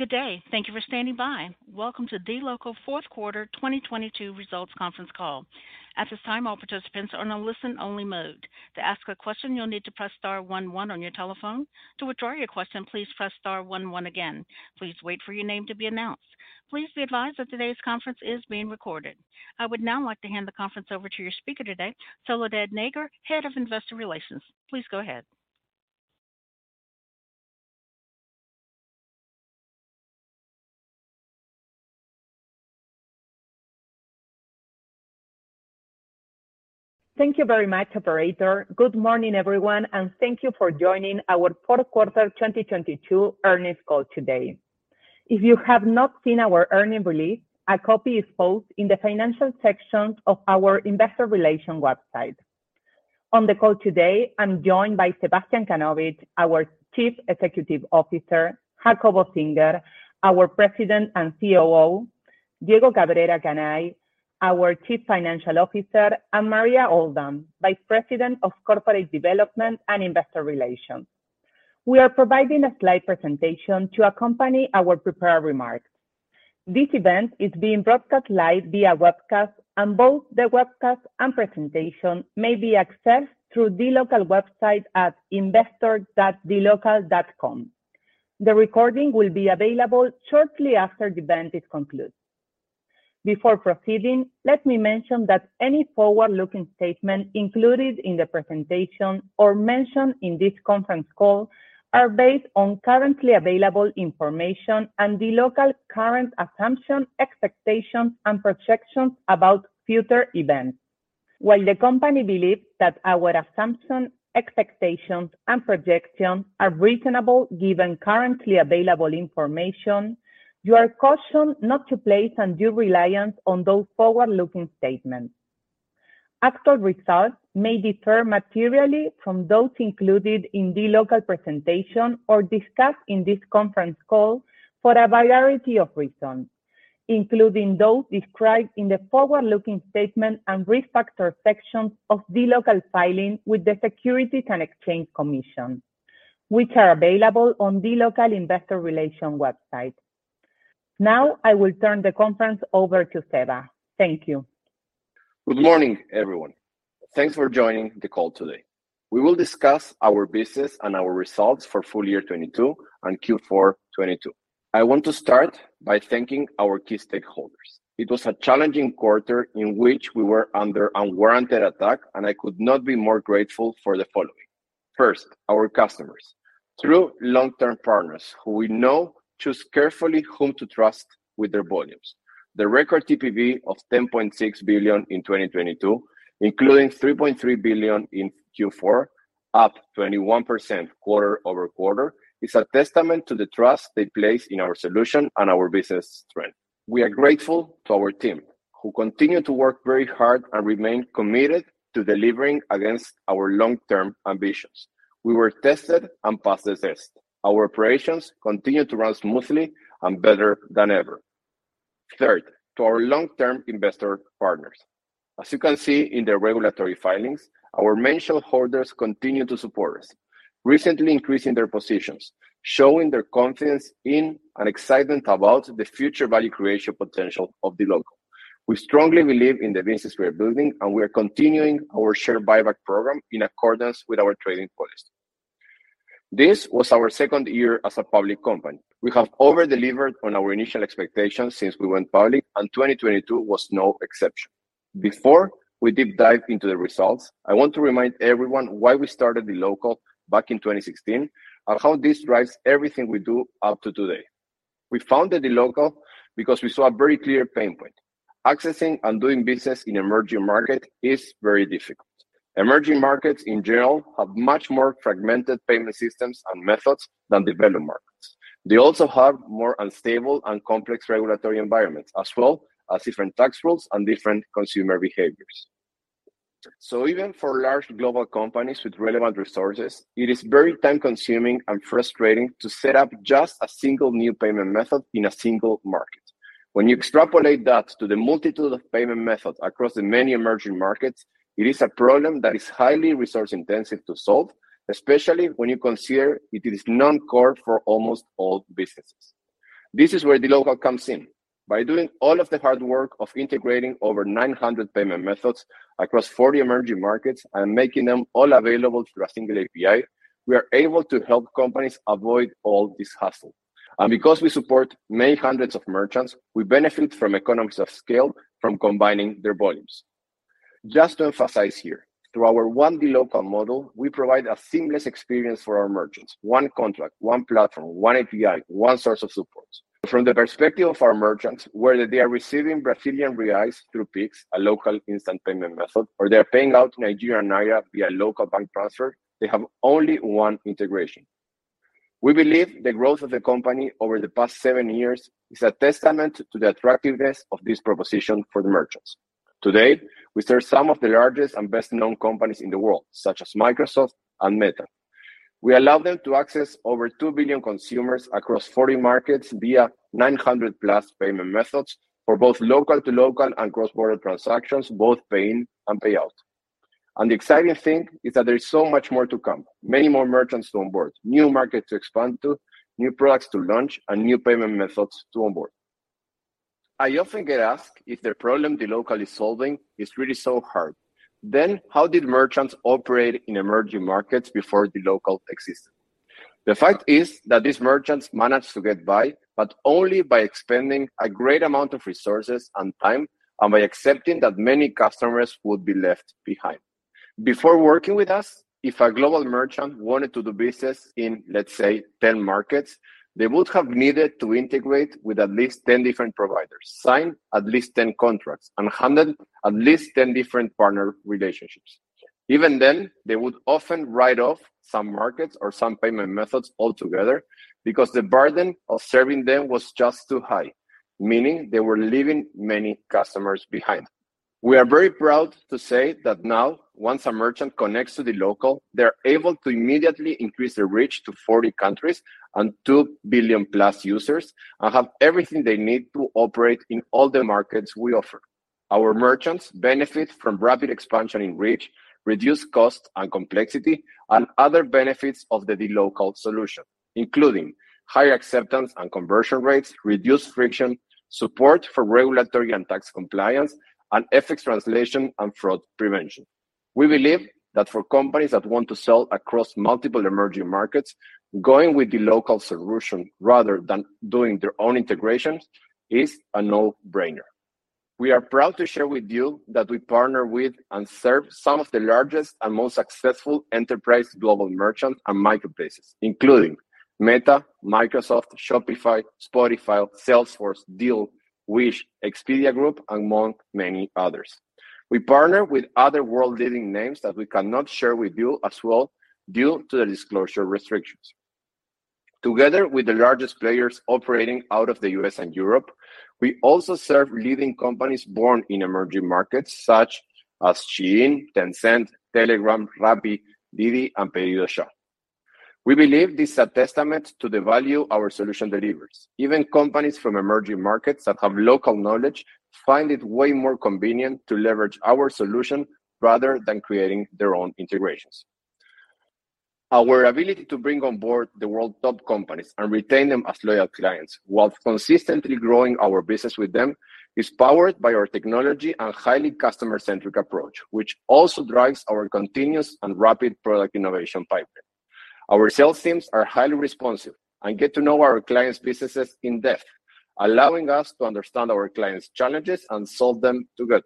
Good day. Thank you for standing by. Welcome to dLocal fourth quarter 2022 results conference call. At this time, all participants are on a listen only mode. To ask a question, you'll need to press star one one on your telephone. To withdraw your question, please press star one one again. Please wait for your name to be announced. Please be advised that today's conference is being recorded. I would now like to hand the conference over to your speaker today, Soledad Nager, Head of Investor Relations. Please go ahead. Thank you very much, operator. Good morning, everyone, and thank you for joining our fourth quarter 2022 earnings call today. If you have not seen our earnings release, a copy is posted in the financial section of our investor relations website. On the call today, I'm joined by Sebastián Kanovich, our Chief Executive Officer, Jacobo Singer, our President and COO, Diego Cabrera Canay, our Chief Financial Officer, and Maria Oldham, Vice President of Corporate Development and Investor Relations. We are providing a slide presentation to accompany our prepared remarks. This event is being broadcast live via webcast, and both the webcast and presentation may be accessed through dLocal website at investor.dlocal.com. The recording will be available shortly after the event is concluded. Before proceeding, let me mention that any forward-looking statements included in the presentation or mentioned in this conference call are based on currently available information and dLocal's current assumptions, expectations, and projections about future events. While the company believes that our assumptions, expectations, and projections are reasonable given currently available information, you are cautioned not to place undue reliance on those forward-looking statements. Actual results may differ materially from those included in dLocal presentation or discussed in this conference call for a variety of reasons, including those described in the forward-looking statement and risk factor section of dLocal's filing with the Securities and Exchange Commission, which are available on dLocal investor relation website. I will turn the conference over to Seba. Thank you. Good morning, everyone. Thanks for joining the call today. We will discuss our business and our results for full year 2022 and Q4 2022. I want to start by thanking our key stakeholders. It was a challenging quarter in which we were under unwarranted attack, and I could not be more grateful for the following. First, our customers. True long-term partners who we know choose carefully whom to trust with their volumes. The record TPV of $10.6 billion in 2022, including $3.3 billion in Q4, up 21% quarter-over-quarter, is a testament to the trust they place in our solution and our business strength. We are grateful to our team, who continue to work very hard and remain committed to delivering against our long-term ambitions. We were tested and passed the test. Our operations continued to run smoothly and better than ever. Third, to our long-term investor partners. As you can see in the regulatory filings, our main shareholders continue to support us, recently increasing their positions, showing their confidence in and excitement about the future value creation potential of dLocal. We strongly believe in the business we are building, and we are continuing our share buyback program in accordance with our trading policy. This was our second year as a public company. We have over-delivered on our initial expectations since we went public, and 2022 was no exception. Before we deep dive into the results, I want to remind everyone why we started dLocal back in 2016 and how this drives everything we do up to today. We founded dLocal because we saw a very clear pain point. Accessing and doing business in emerging market is very difficult. Emerging markets in general have much more fragmented payment systems and methods than developed markets. They also have more unstable and complex regulatory environments as well as different tax rules and different consumer behaviors. Even for large global companies with relevant resources, it is very time-consuming and frustrating to set up just a single new payment method in a single market. When you extrapolate that to the multitude of payment methods across the many emerging markets, it is a problem that is highly resource-intensive to solve, especially when you consider it is non-core for almost all businesses. This is where dLocal comes in. By doing all of the hard work of integrating over 900 payment methods across 40 emerging markets and making them all available through a single API, we are able to help companies avoid all this hassle. Because we support many hundreds of merchants, we benefit from economies of scale from combining their volumes. Just to emphasize here, through our One dLocal model, we provide a seamless experience for our merchants. One contract, one platform, one API, one source of support. From the perspective of our merchants, whether they are receiving Brazilian reais through Pix, a local instant payment method, or they are paying out Nigerian naira via local bank transfer, they have only one integration. We believe the growth of the company over the past seven years is a testament to the attractiveness of this proposition for the merchants. Today, we serve some of the largest and best-known companies in the world, such as Microsoft and Meta. We allow them to access over 2 billion consumers across 40 markets via 900+ payment methods for both local to local and cross-border transactions, both pay in and pay out. The exciting thing is that there is so much more to come. Many more merchants to onboard, new markets to expand to, new products to launch, and new payment methods to onboard. I often get asked if the problem dLocal is solving is really so hard, then how did merchants operate in emerging markets before dLocal existed? The fact is that these merchants managed to get by, but only by expending a great amount of resources and time, and by accepting that many customers would be left behind. Before working with us, if a global merchant wanted to do business in, let's say, 10 markets, they would have needed to integrate with at least 10 different providers, sign at least 10 contracts, and handle at least 10 different partner relationships. Even then, they would often write off some markets or some payment methods altogether because the burden of serving them was just too high, meaning they were leaving many customers behind. We are very proud to say that now, once a merchant connects to dLocal, they're able to immediately increase their reach to 40 countries and 2 billion+ users, and have everything they need to operate in all the markets we offer. Our merchants benefit from rapid expansion in reach, reduced costs and complexity, and other benefits of the dLocal solution, including high acceptance and conversion rates, reduced friction, support for regulatory and tax compliance, and FX translation and fraud prevention. We believe that for companies that want to sell across multiple emerging markets, going with dLocal solution rather than doing their own integrations is a no-brainer. We are proud to share with you that we partner with and serve some of the largest and most successful enterprise global merchants and marketplaces, including Meta, Microsoft, Shopify, Spotify, Salesforce, Deel, Wish, Expedia Group, among many others. We partner with other world-leading names that we cannot share with you as well due to the disclosure restrictions. Together with the largest players operating out of the US and Europe, we also serve leading companies born in emerging markets such as SHEIN, Tencent, Telegram, Rappi, DiDi, and PedidosYa. We believe this is a testament to the value our solution delivers. Even companies from emerging markets that have local knowledge find it way more convenient to leverage our solution rather than creating their own integrations. Our ability to bring on board the world top companies and retain them as loyal clients while consistently growing our business with them is powered by our technology and highly customer-centric approach, which also drives our continuous and rapid product innovation pipeline. Our sales teams are highly responsive and get to know our clients' businesses in-depth, allowing us to understand our clients' challenges and solve them together.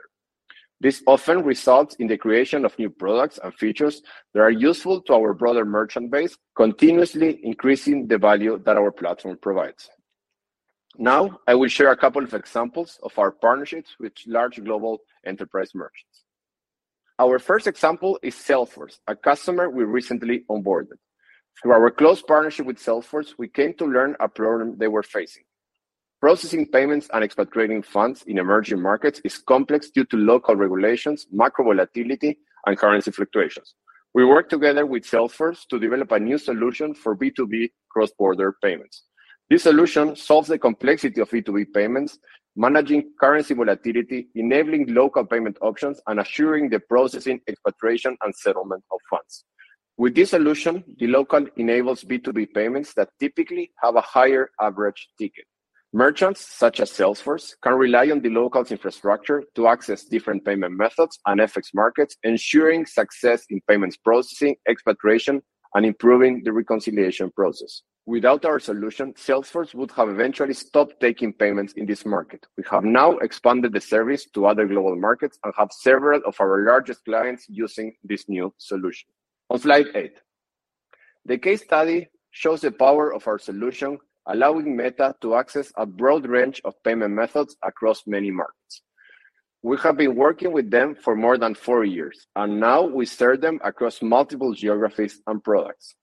This often results in the creation of new products and features that are useful to our broader merchant base, continuously increasing the value that our platform provides. Now, I will share a couple of examples of our partnerships with large global enterprise merchants. Our first example is Salesforce, a customer we recently onboarded. Through our close partnership with Salesforce, we came to learn a problem they were facing. Processing payments and expatriating funds in emerging markets is complex due to local regulations, macro volatility, and currency fluctuations. We worked together with Salesforce to develop a new solution for B2B cross-border payments. This solution solves the complexity of B2B payments, managing currency volatility, enabling local payment options, and assuring the processing, expatriation, and settlement of funds. With this solution, dLocal enables B2B payments that typically have a higher average ticket. Merchants such as Salesforce can rely on dLocal's infrastructure to access different payment methods and FX markets, ensuring success in payments processing, expatriation, and improving the reconciliation process. Without our solution, Salesforce would have eventually stopped taking payments in this market. We have now expanded the service to other global markets and have several of our largest clients using this new solution. On slide eight. The case study shows the power of our solution, allowing Meta to access a broad range of payment methods across many markets. We have been working with them for more than four years. Now we serve them across multiple geographies and products.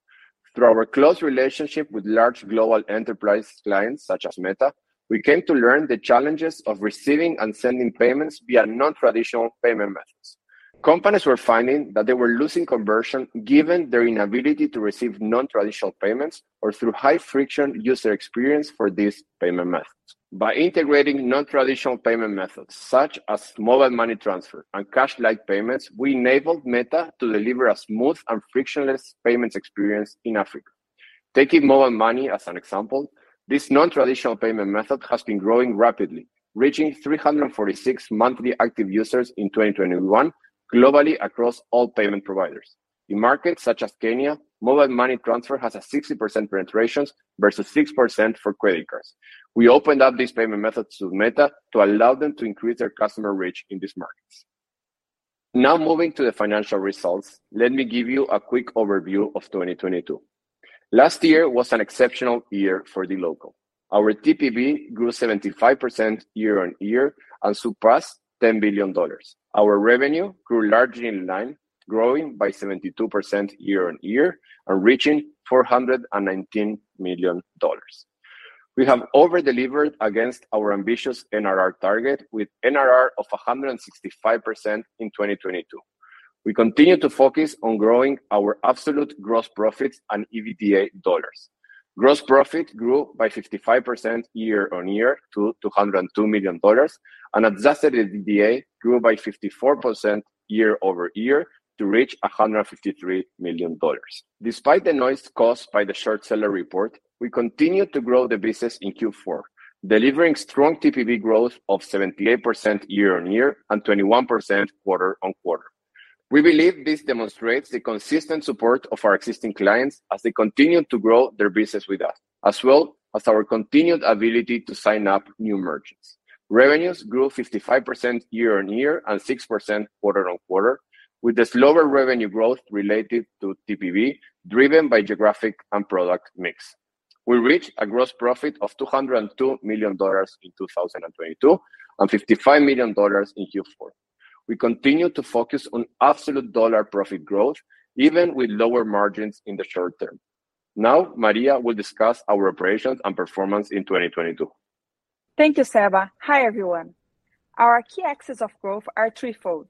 Through our close relationship with large global enterprise clients such as Meta, we came to learn the challenges of receiving and sending payments via non-traditional payment methods. Companies were finding that they were losing conversion given their inability to receive non-traditional payments or through high-friction user experience for these payment methods. By integrating non-traditional payment methods such as Mobile Money transfer and cash-like payments, we enabled Meta to deliver a smooth and frictionless payments experience in Africa. Taking Mobile Money as an example, this non-traditional payment method has been growing rapidly, reaching 346 monthly active users in 2021 globally across all payment providers. In markets such as Kenya, Mobile Money transfer has a 60% penetrations versus 6% for credit cards. We opened up these payment methods to Meta to allow them to increase their customer reach in these markets. Now moving to the financial results. Let me give you a quick overview of 2022. Last year was an exceptional year for dLocal. Our TPV grew 75% year-over-year and surpassed $10 billion. Our revenue grew largely in line, growing by 72% year-over-year and reaching $419 million. We have over-delivered against our ambitious NRR target with NRR of 165% in 2022. We continue to focus on growing our absolute gross profits and EBITDA dollars. Gross profit grew by 55% year-over-year to $202 million. Adjusted EBITDA grew by 54% year-over-year to reach $153 million. Despite the noise caused by the short seller report, we continued to grow the business in Q4, delivering strong TPV growth of 78% year-over-year and 21% quarter-over-quarter. We believe this demonstrates the consistent support of our existing clients as they continue to grow their business with us, as well as our continued ability to sign up new merchants. Revenues grew 55% year-over-year and 6% quarter-on-quarter, with the slower revenue growth related to TPV driven by geographic and product mix. We reached a gross profit of $202 million in 2022, and $55 million in Q4. We continue to focus on absolute dollar profit growth, even with lower margins in the short term. Maria will discuss our operations and performance in 2022. Thank you, Seba. Hi, everyone. Our key axes of growth are threefold: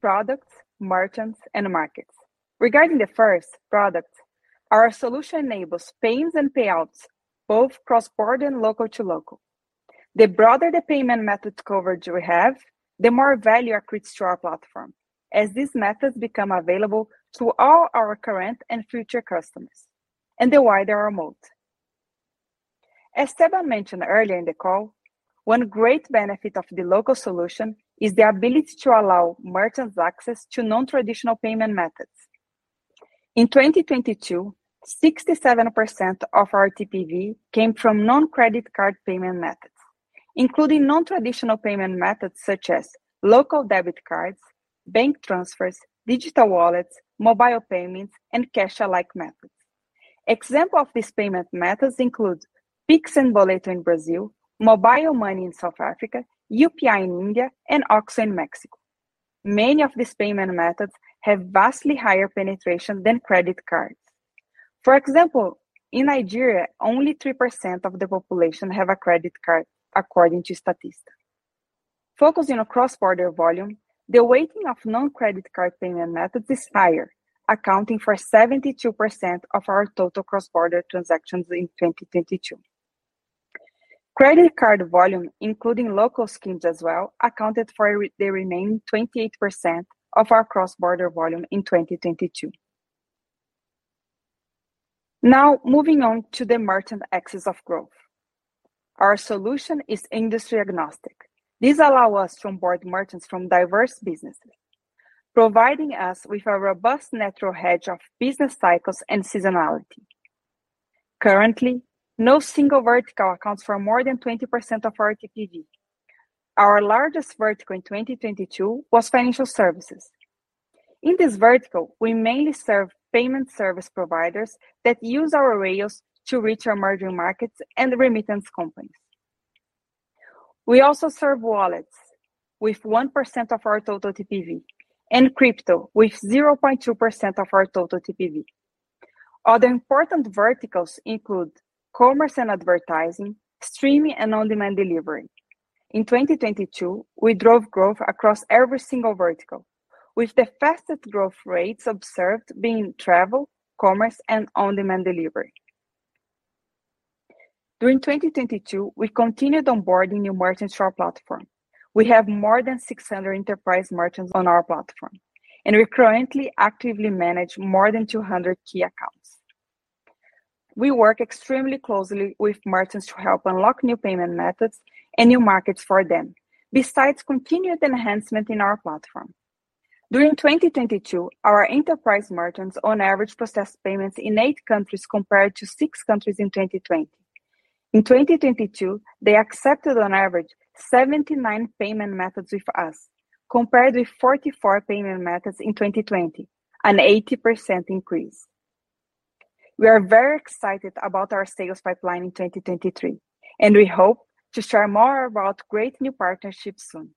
products, merchants, and markets. Regarding the first, product, our solution enables payments and payouts, both cross-border and local to local. The broader the payment methods coverage we have, the more value accretes to our platform as these methods become available to all our current and future customers, and the wider our moat. As Seba mentioned earlier in the call, one great benefit of the dLocal solution is the ability to allow merchants access to non-traditional payment methods. In 2022, 67% of our TPV came from non-credit card payment methods, including non-traditional payment methods such as local debit cards, bank transfers, digital wallets, Mobile Money, and cash-alike methods. Example of these payment methods includes Pix and Boleto in Brazil, Mobile Money in South Africa, UPI in India, and OXXO in Mexico. Many of these payment methods have vastly higher penetration than credit cards. For example, in Nigeria, only 3% of the population have a credit card, according to Statista. Focusing on cross-border volume, the weighting of non-credit card payment methods is higher, accounting for 72% of our total cross-border transactions in 2022. Credit card volume, including local schemes as well, accounted for the remaining 28% of our cross-border volume in 2022. Moving on to the merchant axis of growth. Our solution is industry agnostic. These allow us to onboard merchants from diverse businesses, providing us with a robust natural hedge of business cycles and seasonality. Currently, no single vertical accounts for more than 20% of our TPV. Our largest vertical in 2022 was financial services. In this vertical, we mainly serve payment service providers that use our rails to reach our emerging markets and remittance companies. We also serve wallets with 1% of our total TPV, and crypto with 0.2% of our total TPV. Other important verticals include commerce and advertising, streaming, and on-demand delivery. In 2022, we drove growth across every single vertical, with the fastest growth rates observed being travel, commerce, and on-demand delivery. During 2022, we continued onboarding new merchants to our platform. We have more than 600 enterprise merchants on our platform, and we currently actively manage more than 200 key accounts. We work extremely closely with merchants to help unlock new payment methods and new markets for them, besides continued enhancement in our platform. During 2022, our enterprise merchants on average processed payments in eight countries, compared to six countries in 2020. In 2022, they accepted on average 79 payment methods with us, compared with 44 payment methods in 2020, an 80% increase. We are very excited about our sales pipeline in 2023, and we hope to share more about great new partnerships soon.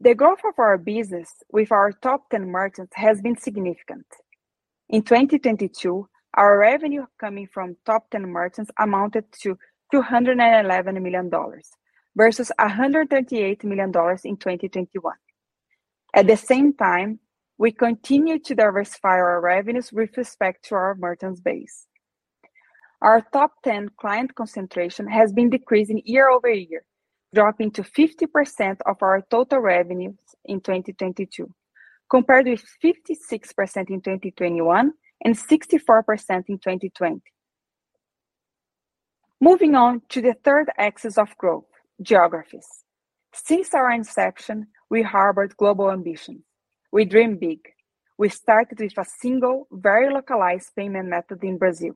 The growth of our business with our top 10 merchants has been significant. In 2022, our revenue coming from top 10 merchants amounted to $211 million, versus $138 million in 2021. At the same time, we continue to diversify our revenues with respect to our merchants base. Our top 10 client concentration has been decreasing year-over-year, dropping to 50% of our total revenues in 2022, compared with 56% in 2021, and 64% in 2020. Moving on to the third axis of growth, geographies. Since our inception, we harbored global ambitions. We dream big. We started with a single, very localized payment method in Brazil.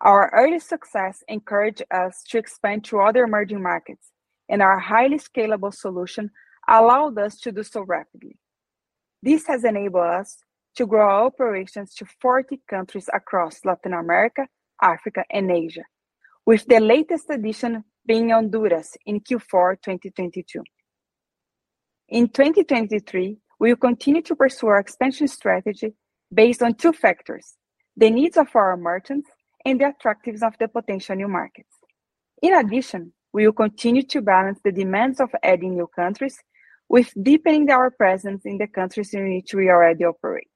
Our early success encouraged us to expand to other emerging markets, and our highly scalable solution allowed us to do so rapidly. This has enabled us to grow our operations to 40 countries across Latin America, Africa, and Asia, with the latest addition being Honduras in Q4 2022. In 2023, we will continue to pursue our expansion strategy based on two factors: the needs of our merchants and the attractiveness of the potential new markets. In addition, we will continue to balance the demands of adding new countries with deepening our presence in the countries in which we already operate.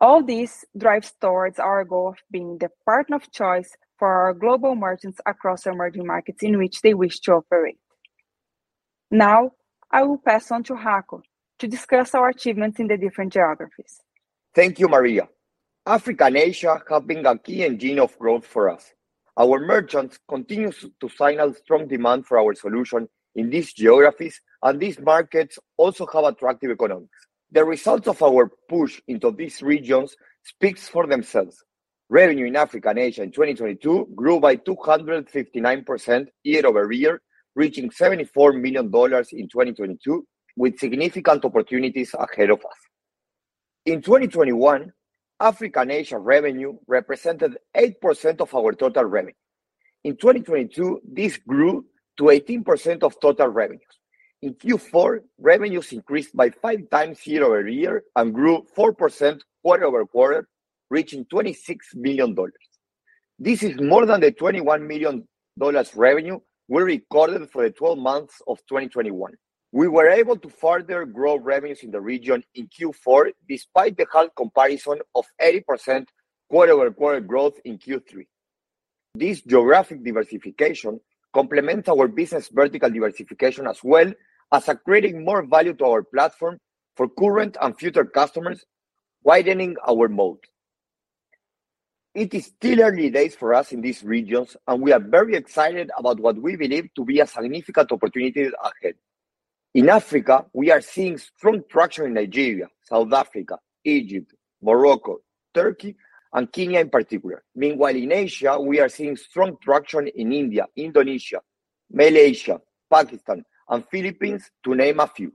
All this drives towards our goal of being the partner of choice for our global merchants across emerging markets in which they wish to operate. Now, I will pass on to Jacobo to discuss our achievements in the different geographies. Thank you, Maria. Africa and Asia have been a key engine of growth for us. Our merchants continues to sign a strong demand for our solution in these geographies, and these markets also have attractive economics. The results of our push into these regions speaks for themselves. Revenue in Africa and Asia in 2022 grew by 259% year-over-year, reaching $74 million in 2022, with significant opportunities ahead of us. In 2021, Africa and Asia revenue represented 8% of our total revenue. In 2022, this grew to 18% of total revenues. In Q4, revenues increased by five times year-over-year and grew 4% quarter-over-quarter, reaching $26 million. This is more than the $21 million revenue we recorded for the 12 months of 2021. We were able to further grow revenues in the region in Q4 despite the hard comparison of 80% quarter-over-quarter growth in Q3. This geographic diversification complements our business vertical diversification as well as creating more value to our platform for current and future customers, widening our moat. It is still early days for us in these regions, and we are very excited about what we believe to be a significant opportunity ahead. In Africa, we are seeing strong traction in Nigeria, South Africa, Egypt, Morocco, Turkey, and Kenya in particular. Meanwhile, in Asia, we are seeing strong traction in India, Indonesia, Malaysia, Pakistan, and Philippines, to name a few.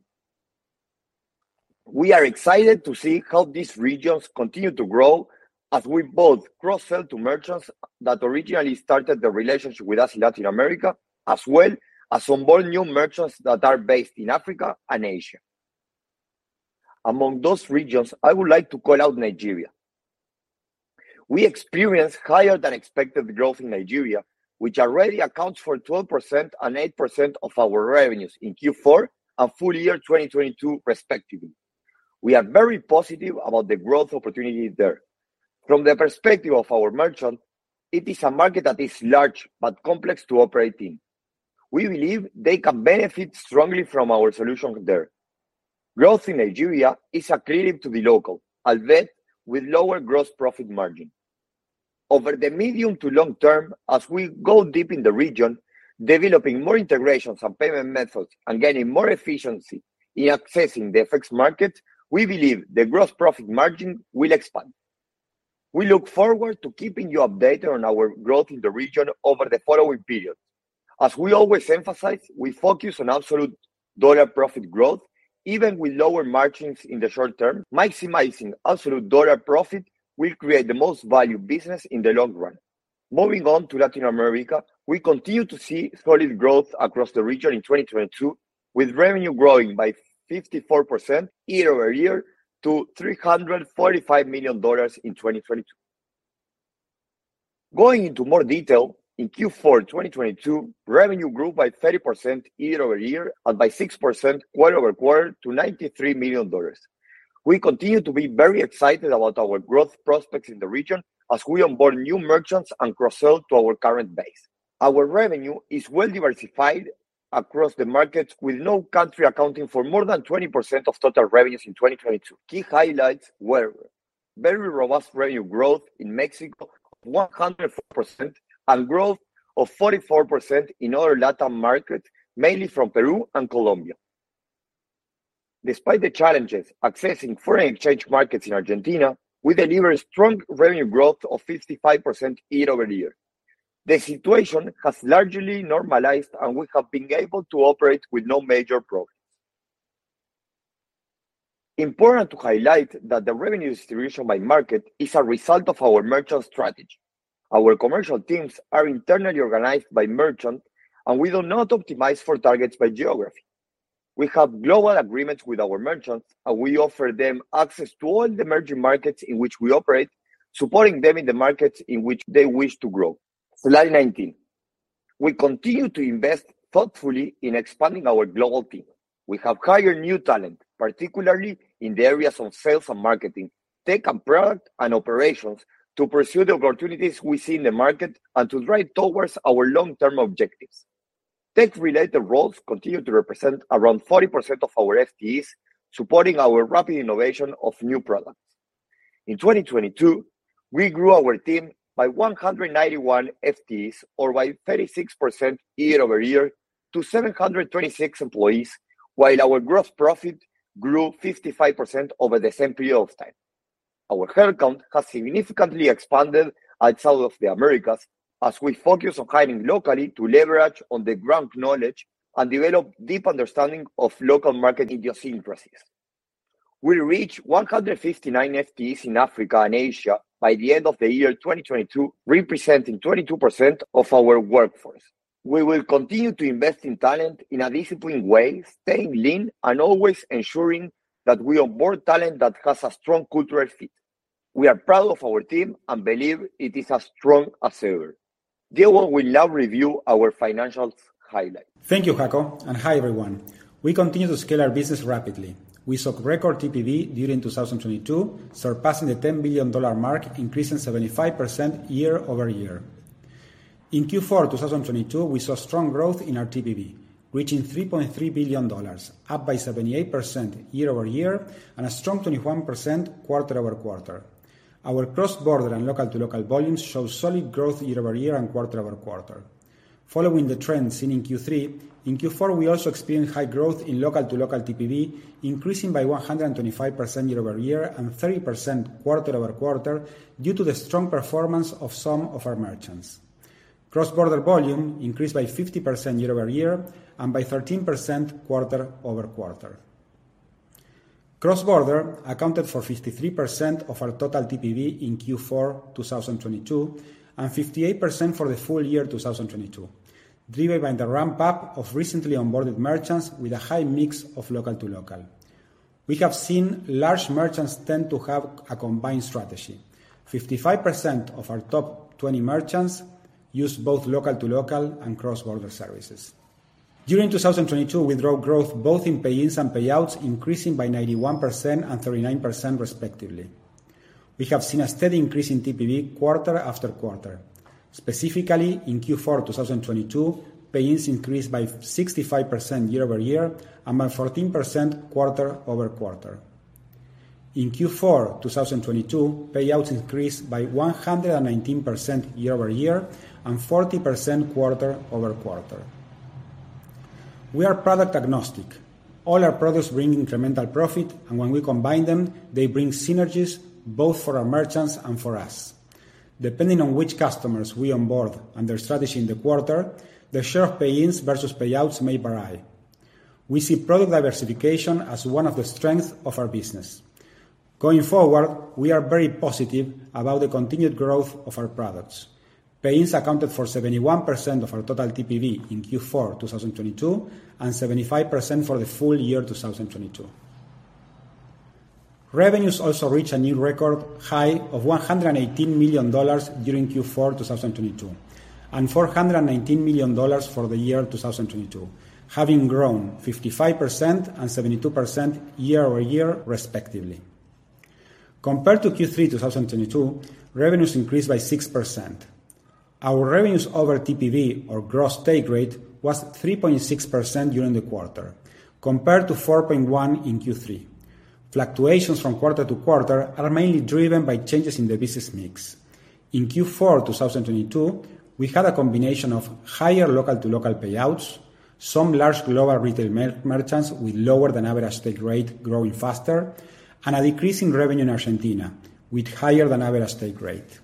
We are excited to see how these regions continue to grow as we both cross-sell to merchants that originally started the relationship with us in Latin America, as well as onboard new merchants that are based in Africa and Asia. Among those regions, I would like to call out Nigeria. We experienced higher than expected growth in Nigeria, which already accounts for 12% and 8% of our revenues in Q4 and full year 2022 respectively. We are very positive about the growth opportunity there. From the perspective of our merchant, it is a market that is large but complex to operate in. We believe they can benefit strongly from our solution there. Growth in Nigeria is accretive to dLocal, albeit with lower gross profit margin. Over the medium to long term, as we go deep in the region, developing more integrations and payment methods and gaining more efficiency in accessing the FX market, we believe the gross profit margin will expand. We look forward to keeping you updated on our growth in the region over the following periods. As we always emphasize, we focus on absolute dollar profit growth. Even with lower margins in the short term, maximizing absolute dollar profit will create the most value business in the long run. Moving on to Latin America, we continue to see solid growth across the region in 2022, with revenue growing by 54% year-over-year to $345 million in 2022. Going into more detail, in Q4 2022, revenue grew by 30% year-over-year and by 6% quarter-over-quarter to $93 million. We continue to be very excited about our growth prospects in the region as we onboard new merchants and cross-sell to our current base. Our revenue is well-diversified across the markets, with no country accounting for more than 20% of total revenues in 2022. Key highlights were very robust revenue growth in Mexico of 100% and growth of 44% in other LatAm markets, mainly from Peru and Colombia. Despite the challenges accessing foreign exchange markets in Argentina, we delivered strong revenue growth of 55% year-over-year. The situation has largely normalized, we have been able to operate with no major problems. Important to highlight that the revenue distribution by market is a result of our merchant strategy. Our commercial teams are internally organized by merchant, we do not optimize for targets by geography. We have global agreements with our merchants, we offer them access to all the emerging markets in which we operate, supporting them in the markets in which they wish to grow. Slide 19. We continue to invest thoughtfully in expanding our global team. We have hired new talent, particularly in the areas of sales and marketing, tech and product and operations, to pursue the opportunities we see in the market and to drive towards our long-term objectives. Tech-related roles continue to represent around 40% of our FTEs, supporting our rapid innovation of new products. In 2022, we grew our team by 191 FTEs or by 36% year-over-year to 726 employees, while our gross profit grew 55% over the same period of time. Our headcount has significantly expanded at some of the Americas as we focus on hiring locally to leverage on the ground knowledge and develop deep understanding of local market idiosyncrasies. We reached 159 FTEs in Africa and Asia by the end of the year 2022, representing 22% of our workforce. We will continue to invest in talent in a disciplined way, staying lean and always ensuring that we onboard talent that has a strong cultural fit. We are proud of our team and believe it is as strong as ever. Diego will now review our financial highlights. Thank you, Jacobo. Hi, everyone. We continue to scale our business rapidly. We saw record TPV during 2022, surpassing the $10 billion mark, increasing 75% year-over-year. In Q4 2022, we saw strong growth in our TPV, reaching $3.3 billion, up by 78% year-over-year, and a strong 21% quarter-over-quarter. Our cross-border and local-to-local volumes show solid growth year-over-year and quarter-over-quarter. Following the trends seen in Q3, in Q4, we also experienced high growth in local-to-local TPV, increasing by 125% year-over-year and 30% quarter-over-quarter due to the strong performance of some of our merchants. Cross-border volume increased by 50% year-over-year and by 13% quarter-over-quarter. Cross-border accounted for 53% of our total TPV in Q4 2022, and 58% for the full year 2022, driven by the ramp-up of recently onboarded merchants with a high mix of local to local. We have seen large merchants tend to have a combined strategy. 55% of our top 20 merchants use both local-to-local and cross-border services. During 2022, we drove growth both in pay-ins and payouts, increasing by 91% and 39% respectively. We have seen a steady increase in TPV quarter after quarter. Specifically, in Q4 2022, pay-ins increased by 65% year-over-year and by 14% quarter-over-quarter. In Q4 2022, payouts increased by 119% year-over-year and 40% quarter-over-quarter. We are product agnostic. All our products bring incremental profit, and when we combine them, they bring synergies both for our merchants and for us. Depending on which customers we onboard and their strategy in the quarter, the share of pay-ins versus payouts may vary. We see product diversification as one of the strengths of our business. Going forward, we are very positive about the continued growth of our products. Pay-ins accounted for 71% of our total TPV in Q4 2022, and 75% for the full year 2022. Revenues also reached a new record high of $118 million during Q4 2022, and $419 million for the year 2022, having grown 55% and 72% year-over-year respectively. Compared to Q3 2022, revenues increased by 6%. Our revenues over TPV or gross take rate was 3.6% during the quarter, compared to 4.1% in Q3. Fluctuations from quarter to quarter are mainly driven by changes in the business mix. In Q4 2022, we had a combination of higher local-to-local payouts, some large global retail merchants with lower than average take rate growing faster, and a decrease in revenue in Argentina with higher than average take rate.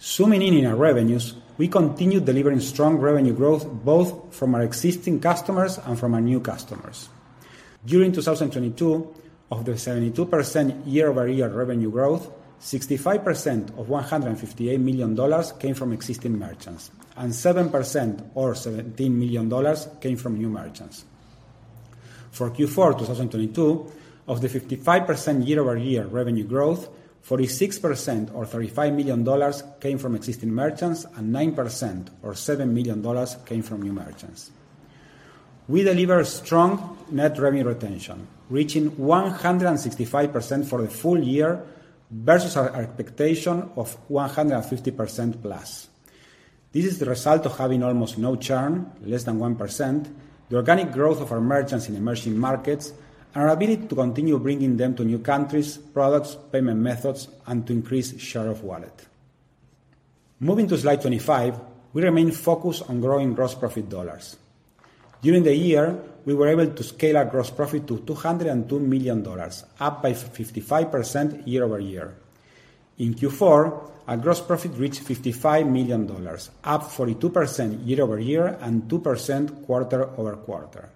Zooming in in our revenues, we continued delivering strong revenue growth both from our existing customers and from our new customers. During 2022, of the 72% year-over-year revenue growth, 65% of $158 million came from existing merchants, and 7% or $17 million came from new merchants. For Q4 2022, of the 55% year-over-year revenue growth, 46% or $35 million came from existing merchants, and 9% or $7 million came from new merchants. We delivered strong net revenue retention, reaching 165% for the full year versus our expectation of 150%+. This is the result of having almost no churn, less than 1%, the organic growth of our merchants in emerging markets, and our ability to continue bringing them to new countries, products, payment methods, and to increase share of wallet. Moving to slide 25, we remain focused on growing gross profit dollars. During the year, we were able to scale our gross profit to $202 million, up by 55% year-over-year. In Q4, our gross profit reached $55 million, up 42% year-over-year and 2% quarter-over-quarter.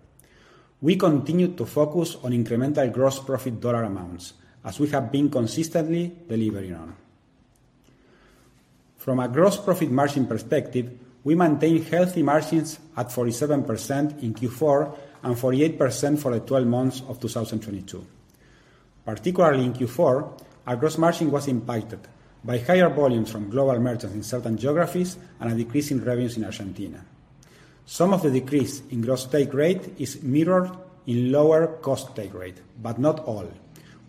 We continued to focus on incremental gross profit dollar amounts as we have been consistently delivering on. From a gross profit margin perspective, we maintain healthy margins at 47% in Q4 and 48% for the 12 months of 2022. Particularly in Q4, our gross margin was impacted by higher volumes from global merchants in certain geographies and a decrease in revenues in Argentina. Some of the decrease in gross take rate is mirrored in lower cost take rate. Not all.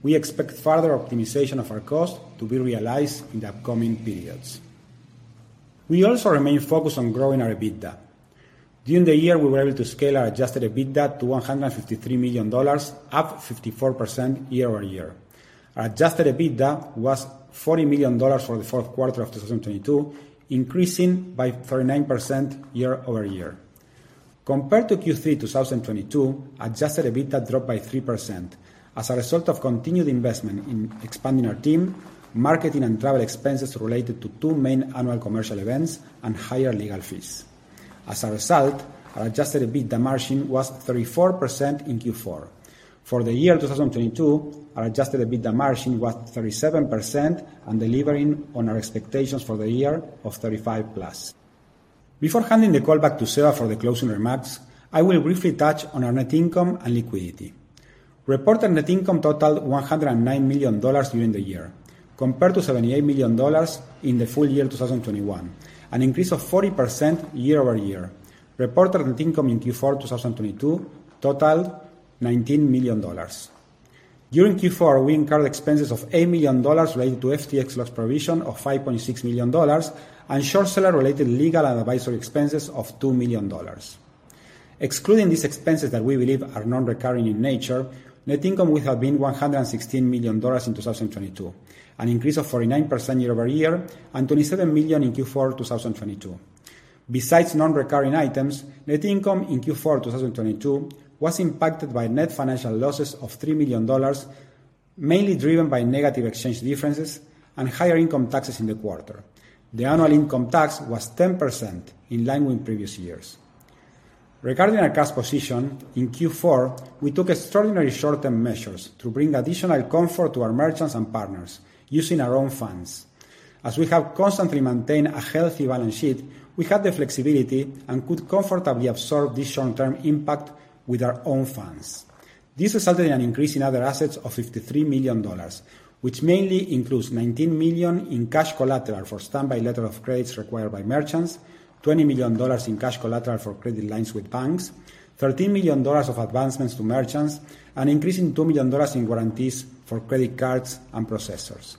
We expect further optimization of our cost to be realized in the upcoming periods. We also remain focused on growing our EBITDA. During the year, we were able to scale our adjusted EBITDA to $153 million, up 54% year-over-year. Our adjusted EBITDA was $40 million for the fourth quarter of 2022, increasing by 39% year-over-year. Compared to Q3 2022, adjusted EBITDA dropped by 3% as a result of continued investment in expanding our team, marketing and travel expenses related to two main annual commercial events, and higher legal fees. As a result, our adjusted EBITDA margin was 34% in Q4. For the year 2022, our adjusted EBITDA margin was 37% and delivering on our expectations for the year of 35%+. Before handing the call back to Seba for the closing remarks, I will briefly touch on our net income and liquidity. Reported net income totaled $109 million during the year, compared to $78 million in the full year 2021, an increase of 40% year-over-year. Reported net income in Q4 2022 totaled $19 million. During Q4, we incurred expenses of $8 million related to FTX loss provision of $5.6 million and short seller-related legal and advisory expenses of $2 million. Excluding these expenses that we believe are non-recurring in nature, net income would have been $116 million in 2022, an increase of 49% year-over-year and $27 million in Q4 2022. Besides non-recurring items, net income in Q4 2022 was impacted by net financial losses of $3 million, mainly driven by negative exchange differences and higher income taxes in the quarter. The annual income tax was 10%, in line with previous years. Regarding our cash position, in Q4, we took extraordinary short-term measures to bring additional comfort to our merchants and partners using our own funds. We have constantly maintained a healthy balance sheet, we have the flexibility and could comfortably absorb this short-term impact with our own funds. This resulted in an increase in other assets of $53 million, which mainly includes $19 million in cash collateral for standby letter of credits required by merchants, $20 million in cash collateral for credit lines with banks, $13 million of advancements to merchants, and increase in $2 million in warranties for credit cards and processors.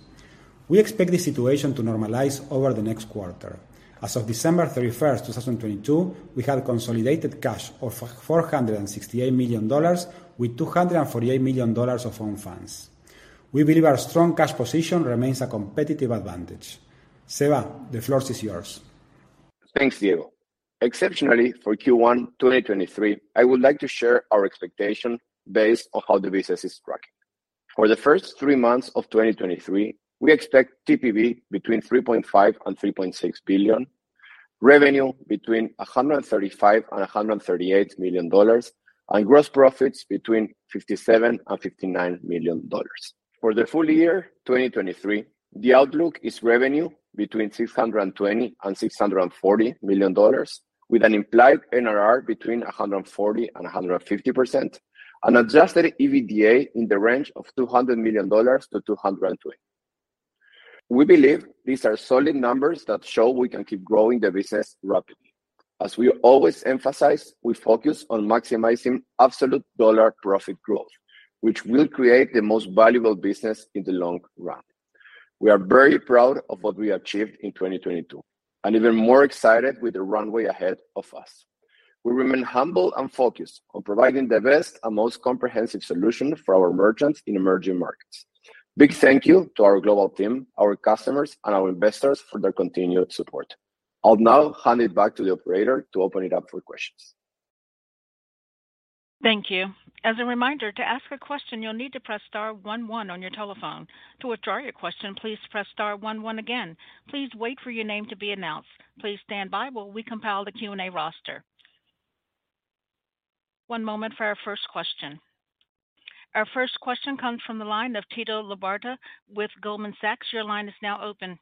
We expect the situation to normalize over the next quarter. As of December 31, 2022, we had consolidated cash of $468 million with $248 million of own funds. We believe our strong cash position remains a competitive advantage. Seba, the floor is yours. Thanks, Diego. Exceptionally, for Q1 2023, I would like to share our expectation based on how the business is tracking. For the first three months of 2023, we expect TPV between $3.5 billion and $3.6 billion, revenue between $135 million and $138 million, and gross profits between $57 million and $59 million. For the full year 2023, the outlook is revenue between $620 million and $640 million with an implied NRR between 140% and 150%, and adjusted EBITDA in the range of $200 million-$220 million. We believe these are solid numbers that show we can keep growing the business rapidly. As we always emphasize, we focus on maximizing absolute dollar profit growth, which will create the most valuable business in the long run. We are very proud of what we achieved in 2022. Even more excited with the runway ahead of us. We remain humble and focused on providing the best and most comprehensive solution for our merchants in emerging markets. Big thank you to our global team, our customers, and our investors for their continued support. I'll now hand it back to the operator to open it up for questions. Thank you. As a reminder, to ask a question, you'll need to press star one one on your telephone. To withdraw your question, please press star one one again. Please wait for your name to be announced. Please stand by while we compile the Q&A roster. One moment for our first question. Our first question comes from the line of Tito Labarta with Goldman Sachs. Your line is now open.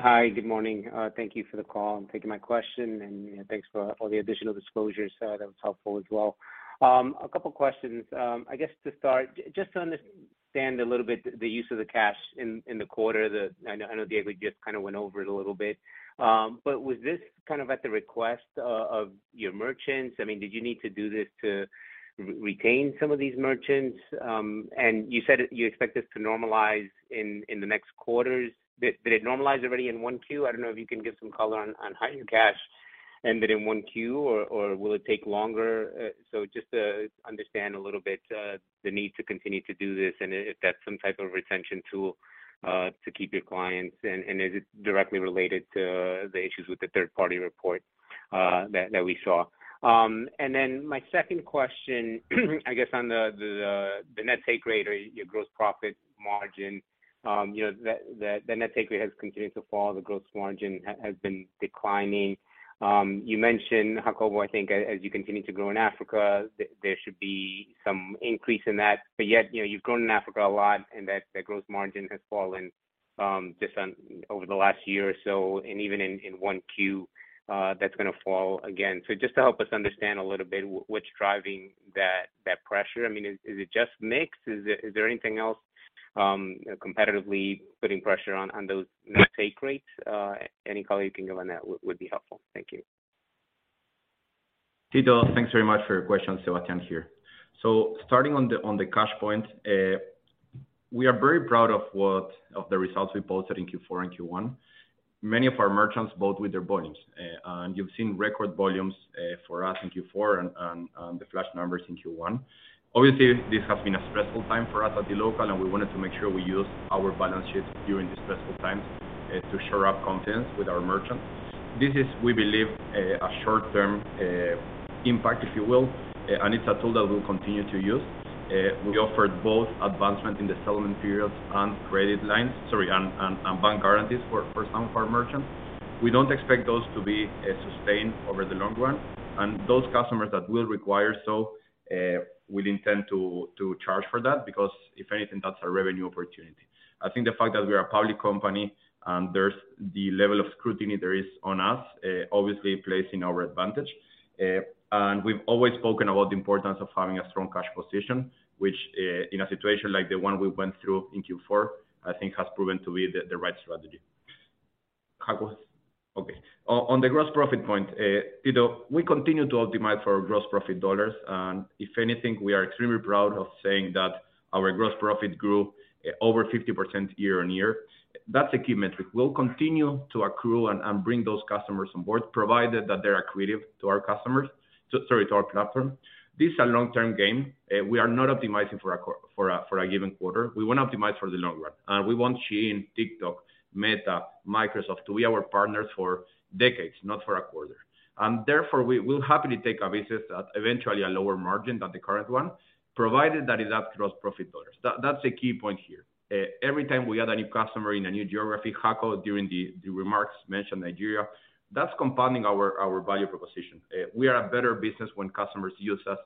Hi. Good morning. Thank you for the call and taking my question, and thanks for all the additional disclosures. That was helpful as well. A couple questions. I guess to start, just to understand a little bit the use of the cash in the quarter. I know Diego just kinda went over it a little bit. But was this kind of at the request of your merchants? I mean, did you need to do this to retain some of these merchants? And you said you expect this to normalize in the next quarters. Did it normalize already in 1Q? I don't know if you can give some color on how your cash ended in 1Q or will it take longer? So just to understand a little bit, the need to continue to do this and if that's some type of retention tool, to keep your clients. Is it directly related to the issues with the third-party report, that we saw? Then my second question, I guess, on the net take rate or your gross profit margin. You know, the net take rate has continued to fall. The gross margin has been declining. You mentioned, Jacobo, I think as you continue to grow in Africa, there should be some increase in that. Yet, you know, you've grown in Africa a lot, and that, the gross margin has fallen, just over the last year or so. Even in 1Q, that's gonna fall again. Just to help us understand a little bit what's driving that pressure. I mean, is it just mix? Is there anything else, competitively putting pressure on those net take rates? Any color you can give on that would be helpful. Thank you. Tito, thanks very much for your questions. Sebastián Kanovich here. Starting on the, on the cash point, we are very proud of the results we posted in Q4 and Q1. Many of our merchants bought with their volumes. You've seen record volumes for us in Q4 and the flash numbers in Q1. Obviously, this has been a stressful time for us at dLocal, and we wanted to make sure we use our balance sheets during these stressful times to show up confidence with our merchants. This is, we believe, a short-term impact, if you will, and it's a tool that we'll continue to use. We offered both advancement in the settlement periods and credit lines, sorry, and bank guarantees for some of our merchants. We don't expect those to be sustained over the long run. Those customers that will require so, we'd intend to charge for that because if anything, that's a revenue opportunity. I think the fact that we are a public company and there's the level of scrutiny there is on us, obviously plays in our advantage. We've always spoken about the importance of having a strong cash position, which, in a situation like the one we went through in Q4, I think has proven to be the right strategy. Jacobo. Okay. On the gross profit point, you know, we continue to optimize for gross profit dollars. If anything, we are extremely proud of saying that our gross profit grew over 50% year-over-year. That's a key metric. We'll continue to accrue and bring those customers on board, provided that they are accretive to our customers. Sorry, to our platform. This is a long-term game. We are not optimizing for a given quarter. We want optimize for the long run, and we want SHEIN, TikTok, Meta, Microsoft, to be our partners for decades, not for a quarter. We will happily take a business at eventually a lower margin than the current one, provided that is across profit dollars. That's a key point here. Every time we add a new customer in a new geography, Jacobo during the remarks mentioned Nigeria, that's compounding our value proposition. We are a better business when customers use us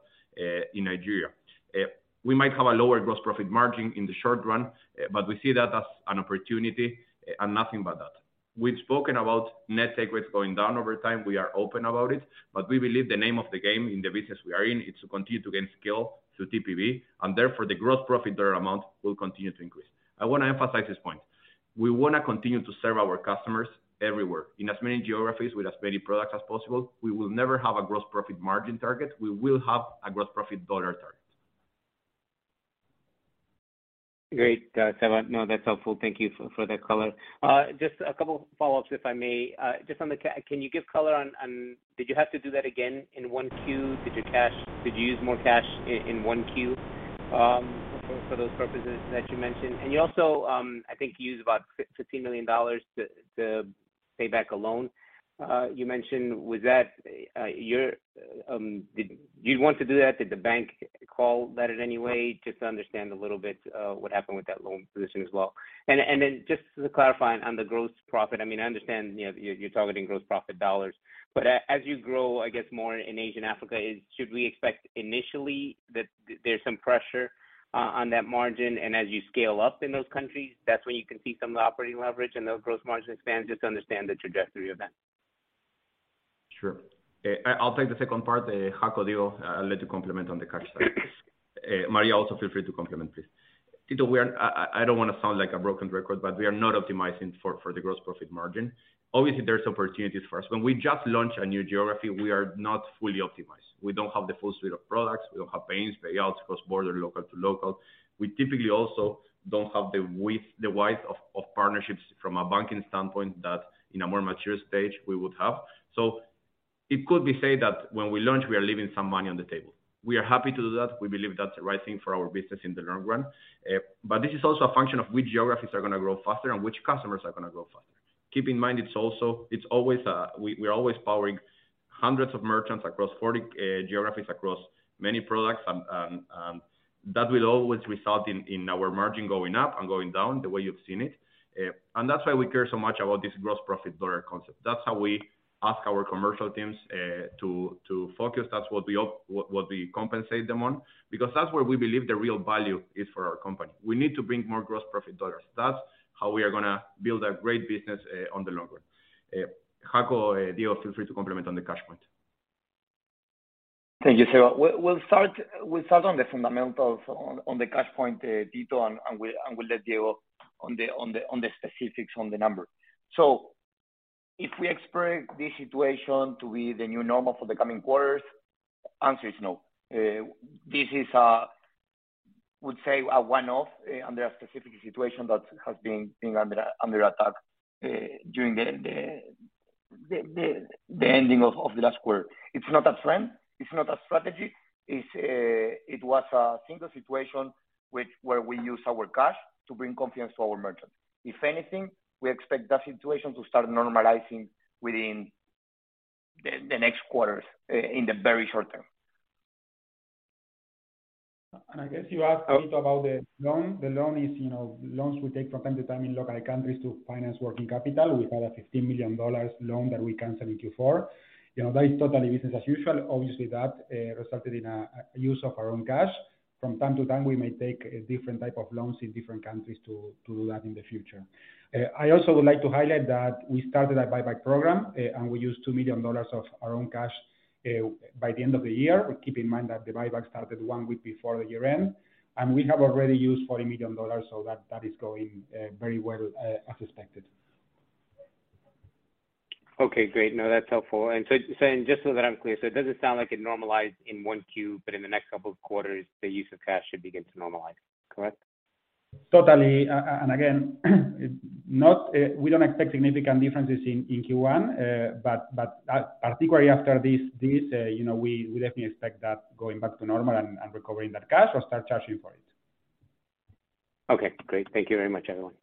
in Nigeria. We might have a lower gross profit margin in the short run, but we see that as an opportunity, and nothing but that. We've spoken about net take rates going down over time. We are open about it, but we believe the name of the game in the business we are in is to continue to gain scale through TPV, and therefore, the gross profit dollar amount will continue to increase. I wanna emphasize this point. We wanna continue to serve our customers everywhere in as many geographies with as many products as possible. We will never have a gross profit margin target. We will have a gross profit dollar target. Great, Seba. No, that's helpful. Thank you for that color. Just a couple follow-ups, if I may. Just on the Can you give color on did you have to do that again in 1Q? Did you use more cash in 1Q for those purposes that you mentioned? You also, I think you used about $15 million to pay back a loan, you mentioned. Was that your Did you want to do that? Did the bank call that in any way? Just to understand a little bit what happened with that loan position as well. Then just to clarify on the gross profit, I mean, I understand, you know, you're targeting gross profit dollars, but as you grow, I guess more in Asia and Africa, should we expect initially that there's some pressure on that margin? As you scale up in those countries, that's when you can see some of the operating leverage and those gross margin expand? Just to understand the trajectory of that? Sure. I'll take the second part. Jacobo, Diego, I'll let you complement on the cash side. Maria, also feel free to complement, please. You know, I don't wanna sound like a broken record, but we are not optimizing for the gross profit margin. Obviously, there's opportunities for us. When we just launch a new geography, we are not fully optimized. We don't have the full suite of products. We don't have pains, payouts, cross-border, local to local. We typically also don't have the width of partnerships from a banking standpoint that in a more mature stage we would have. It could be said that when we launch, we are leaving some money on the table. We are happy to do that. We believe that's the right thing for our business in the long run. This is also a function of which geographies are gonna grow faster and which customers are gonna grow faster. Keep in mind, it's always, we are always powering hundreds of merchants across 40 geographies, across many products. That will always result in our margin going up and going down the way you've seen it. That's why we care so much about this gross profit dollar concept. That's how we ask our commercial teams to focus. That's what we compensate them on, because that's where we believe the real value is for our company. We need to bring more gross profit dollars. That's how we are gonna build a great business on the long run. Jacobo, Diego, feel free to complement on the cash point. Thank you, Seba. We'll start on the fundamentals on the cash point, Tito, and we'll let Diego on the specifics on the number. If we expect this situation to be the new normal for the coming quarters, answer is no. This is, would say a one-off under a specific situation that has been under attack during the ending of the last quarter. It's not a trend, it's not a strategy. It was a single situation where we used our cash to bring confidence to our merchants. If anything, we expect that situation to start normalizing within the next quarters in the very short term. I guess you asked a bit about the loan. The loan is, you know, loans we take from time to time in local countries to finance working capital. We had a $15 million loan that we canceled in Q4. You know, that is totally business as usual. Obviously, that resulted in a use of our own cash. From time to time, we may take different type of loans in different countries to do that in the future. I also would like to highlight that we started a buyback program, and we used $2 million of our own cash by the end of the year. Keep in mind that the buyback started one week before the year-end, and we have already used $40 million, so that is going very well as expected. Okay, great. No, that's helpful. Just so that I'm clear, so it doesn't sound like it normalized in 1Q, but in the next couple of quarters, the use of cash should begin to normalize. Correct? Totally. Again, not, We don't expect significant differences in Q1. Particularly after this, you know, we definitely expect that going back to normal and recovering that cash or start charging for it. Okay, great. Thank you very much, everyone.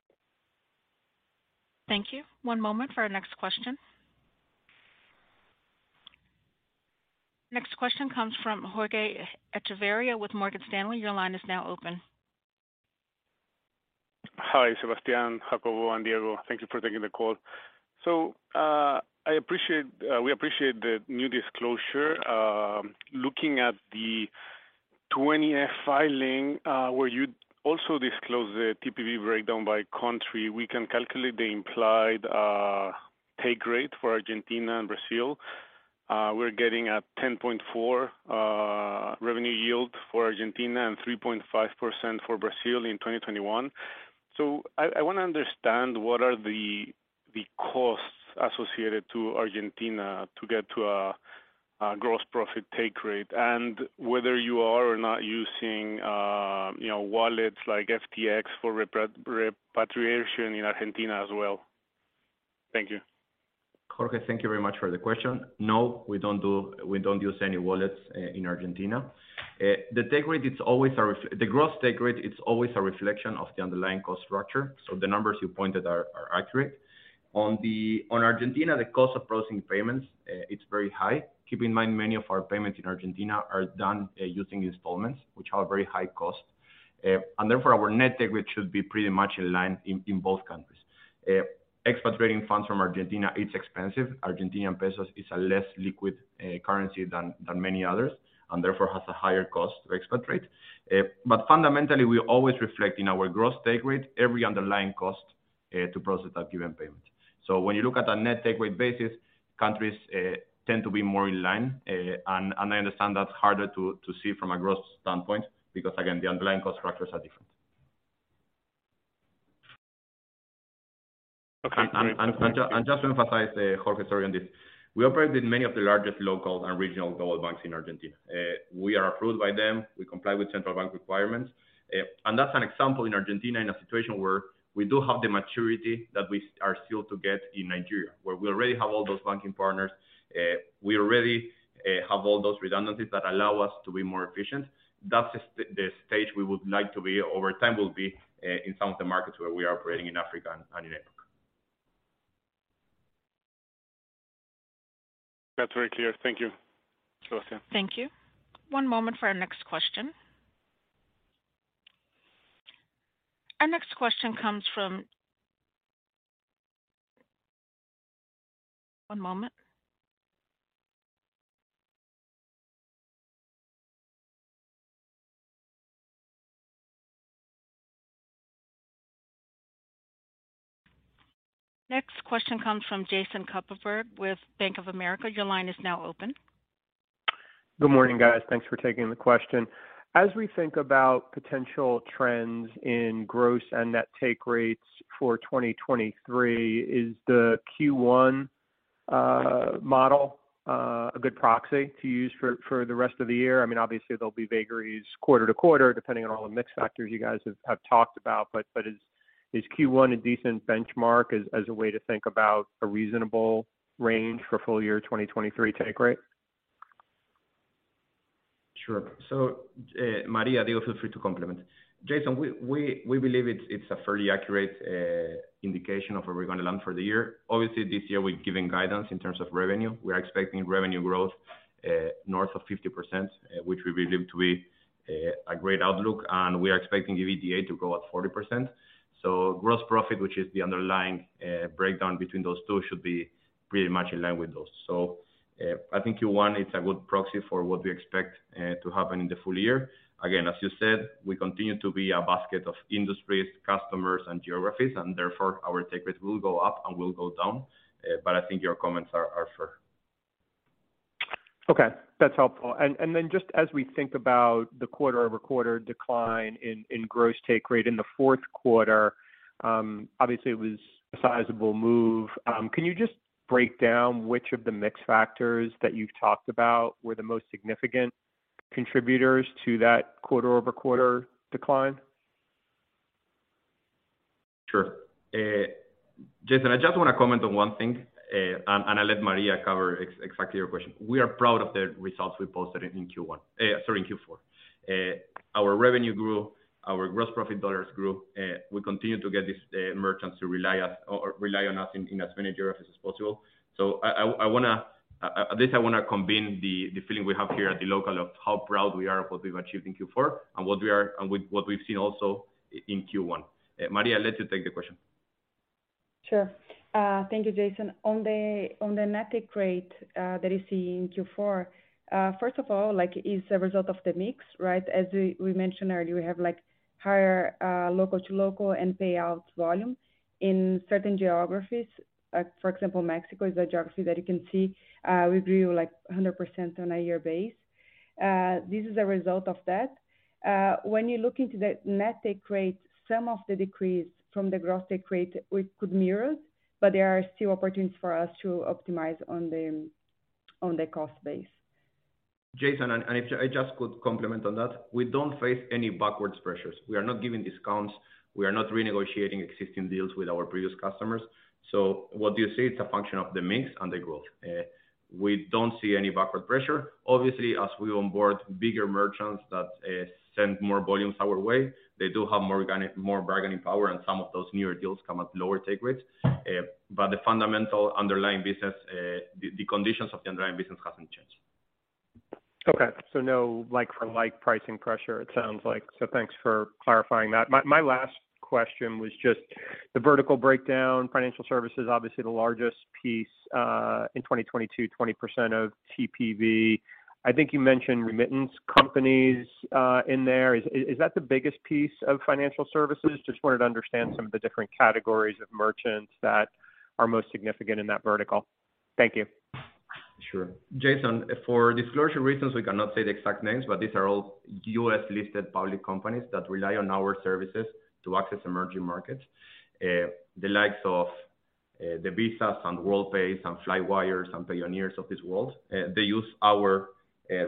Thank you. One moment for our next question. Next question comes from Jorge Echevarria with Morgan Stanley. Your line is now open. Hi, Sebastián, Jacobo, and Diego. Thank you for taking the call. We appreciate the new disclosure. Looking at the 20-F filing, where you also disclose the TPV breakdown by country, we can calculate the implied take rate for Argentina and Brazil. We're getting a 10.4 revenue yield for Argentina and 3.5% for Brazil in 2021. I want to understand what are the costs associated to Argentina to get to a gross profit take rate, and whether you are or not using, you know, wallets like FTX for repatriation in Argentina as well. Thank you. Jorge, thank you very much for the question. No, we don't use any wallets in Argentina. The gross take rate is always a reflection of the underlying cost structure, so the numbers you pointed are accurate. On Argentina, the cost of processing payments, it's very high. Keep in mind, many of our payments in Argentina are done using installments, which are very high cost. Therefore our net take rate should be pretty much in line in both countries. Expatriating funds from Argentina, it's expensive. Argentinian pesos is a less liquid currency than many others, and therefore has a higher cost to expatriate. Fundamentally, we always reflect in our gross take rate every underlying cost to process that given payment. When you look at a net take rate basis, countries tend to be more in line. And I understand that's harder to see from a gross standpoint because again, the underlying cost structures are different. Okay. Just to emphasize, Jorge's story on this, we operate with many of the largest local and regional global banks in Argentina. We are approved by them. We comply with central bank requirements. That's an example in Argentina in a situation where we do have the maturity that we are still to get in Nigeria, where we already have all those banking partners, we already have all those redundancies that allow us to be more efficient. That's the stage we would like to be over time will be in some of the markets where we are operating in Africa and in Europe. That's very clear. Thank you. Sebastián. Thank you. One moment for our next question. One moment. Next question comes from Jason Kupferberg with Bank of America. Your line is now open. Good morning, guys. Thanks for taking the question. As we think about potential trends in gross and net take rates for 2023, is the Q1 model a good proxy to use for the rest of the year? I mean, obviously, there'll be vagaries quarter to quarter, depending on all the mix factors you guys have talked about. Is Q1 a decent benchmark as a way to think about a reasonable range for full year 2023 take rate? Sure. Maria, Diego, feel free to complement. Jason, we believe it's a fairly accurate indication of where we're gonna land for the year. Obviously, this year we've given guidance in terms of revenue. We are expecting revenue growth north of 50%, which we believe to be a great outlook. We are expecting EBITDA to grow at 40%. Gross profit, which is the underlying breakdown between those two, should be pretty much in line with those. I think Q1 is a good proxy for what we expect to happen in the full year. Again, as you said, we continue to be a basket of industries, customers, and geographies. Therefore our take rates will go up and will go down. I think your comments are fair. Okay, that's helpful. Just as we think about the quarter-over-quarter decline in gross take rate in the fourth quarter, obviously it was a sizable move. Can you just break down which of the mix factors that you've talked about were the most significant contributors to that quarter-over-quarter decline? Sure. Jason, I just wanna comment on one thing, and I'll let Maria cover exactly your question. We are proud of the results we posted in Q1. Sorry, in Q4. Our revenue grew, our gross profit dollars grew. We continue to get these merchants to rely us or rely on us in as many geographies as possible. I wanna at least I wanna convey the feeling we have here at dLocal of how proud we are of what we've achieved in Q4 and with what we've seen also in Q1. Maria, I'll let you take the question. Sure. thank you, Jason. On the net take rate that you see in Q4, first of all, like is a result of the mix, right? As we mentioned earlier, we have like higher local to local and payouts volume in certain geographies. For example, Mexico is a geography that you can see, we grew like 100% on a year base. This is a result of that. When you look into the net take rate, some of the decrease from the gross take rate we could mirror it, but there are still opportunities for us to optimize on the cost base. Jason, if I just could complement on that, we don't face any backwards pressures. We are not giving discounts. We are not renegotiating existing deals with our previous customers. What you see, it's a function of the mix and the growth. We don't see any backward pressure. Obviously, as we onboard bigger merchants that send more volumes our way, they do have more bargaining power, and some of those newer deals come at lower take rates. The fundamental underlying business, the conditions of the underlying business hasn't changed. No like for like pricing pressure it sounds like. Thanks for clarifying that. My last question was just the vertical breakdown financial services, obviously the largest piece, in 2022, 20% of TPV. I think you mentioned remittance companies in there. Is that the biggest piece of financial services? Just wanted to understand some of the different categories of merchants that are most significant in that vertical. Thank you. Sure. Jason, for disclosure reasons, we cannot say the exact names, but these are all US-listed public companies that rely on our services to access emerging markets. The likes of the Visas and Worldpays and Flywires and Payoneers of this world, they use our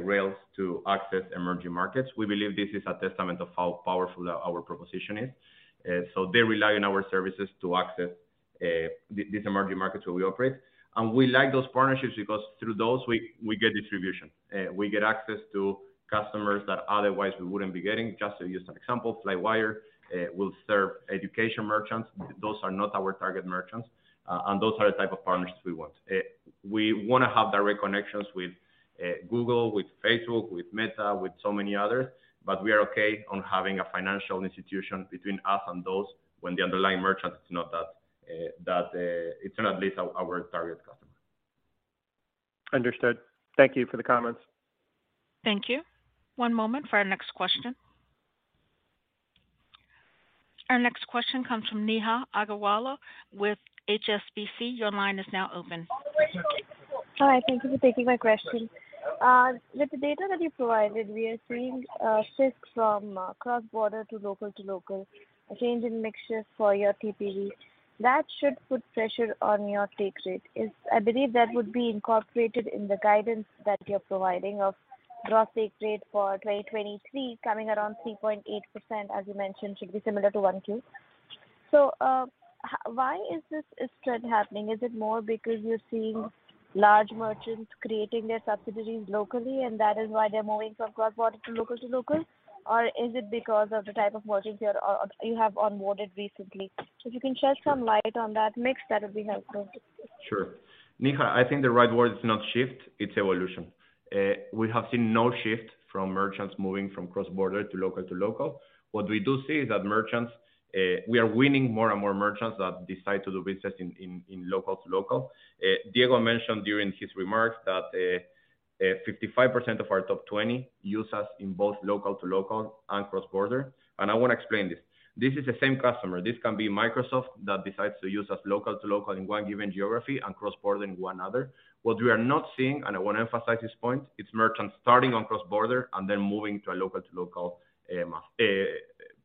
rails to access emerging markets. We believe this is a testament of how powerful our proposition is. They rely on our services to access these emerging markets where we operate. We like those partnerships because through those we get distribution. We get access to customers that otherwise we wouldn't be getting. Just to use an example, Flywire, will serve education merchants. Those are not our target merchants. Those are the type of partners we want. We wanna have direct connections with Google, with Facebook, with Meta, with so many others, but we are okay on having a financial institution between us and those when the underlying merchant is not at least our target customer. Understood. Thank you for the comments. Thank you. One moment for our next question. Our next question comes from Neha Agarwala with HSBC. Your line is now open. Hi, thank you for taking my question. With the data that you provided, we are seeing a shift from cross-border to local to local, a change in mixtures for your TPV. That should put pressure on your take rate. I believe that would be incorporated in the guidance that you're providing of gross take rate for 2023 coming around 3.8%, as you mentioned, should be similar to 1Q. Why is this trend happening? Is it more because you're seeing large merchants creating their subsidiaries locally, and that is why they're moving from cross-border to local to local? Or is it because of the type of merchants you're you have onboarded recently? If you can shed some light on that mix, that would be helpful. Sure. Neha, I think the right word is not shift, it's evolution. We have seen no shift from merchants moving from cross-border to local to local. What we do see is that merchants, we are winning more and more merchants that decide to do business in local to local. Diego mentioned during his remarks that 55% of our top 20 use us in both local to local and cross-border. I wanna explain this. This is the same customer. This can be Microsoft that decides to use us local to local in one given geography and cross-border in one other. What we are not seeing, and I wanna emphasize this point, it's merchants starting on cross-border and then moving to a local to local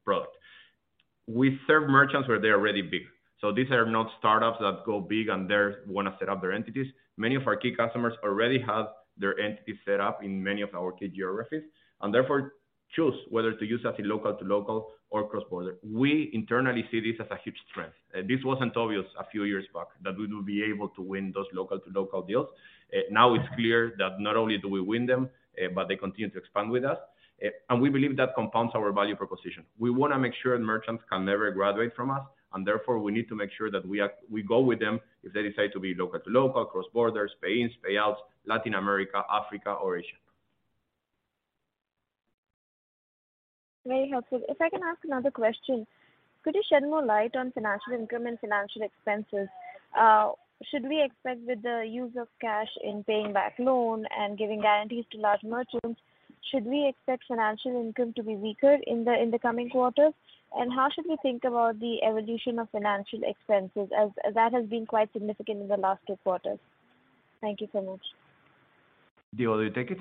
product. We serve merchants where they're already big. These are not startups that go big and they wanna set up their entities. Many of our key customers already have their entities set up in many of our key geographies, and therefore choose whether to use us in local to local or cross-border. We internally see this as a huge strength. This wasn't obvious a few years back that we would be able to win those local to local deals. Now it's clear that not only do we win them, but they continue to expand with us. We believe that compounds our value proposition. We wanna make sure merchants can never graduate from us, and therefore we need to make sure that we go with them if they decide to be local to local, cross-border, pay-ins, payouts, Latin America, Africa or Asia. Very helpful. If I can ask another question. Could you shed more light on financial income and financial expenses? Should we expect with the use of cash in paying back loan and giving guarantees to large merchants, should we expect financial income to be weaker in the coming quarters? How should we think about the evolution of financial expenses as that has been quite significant in the last two quarters? Thank you so much. Diego, do you take it?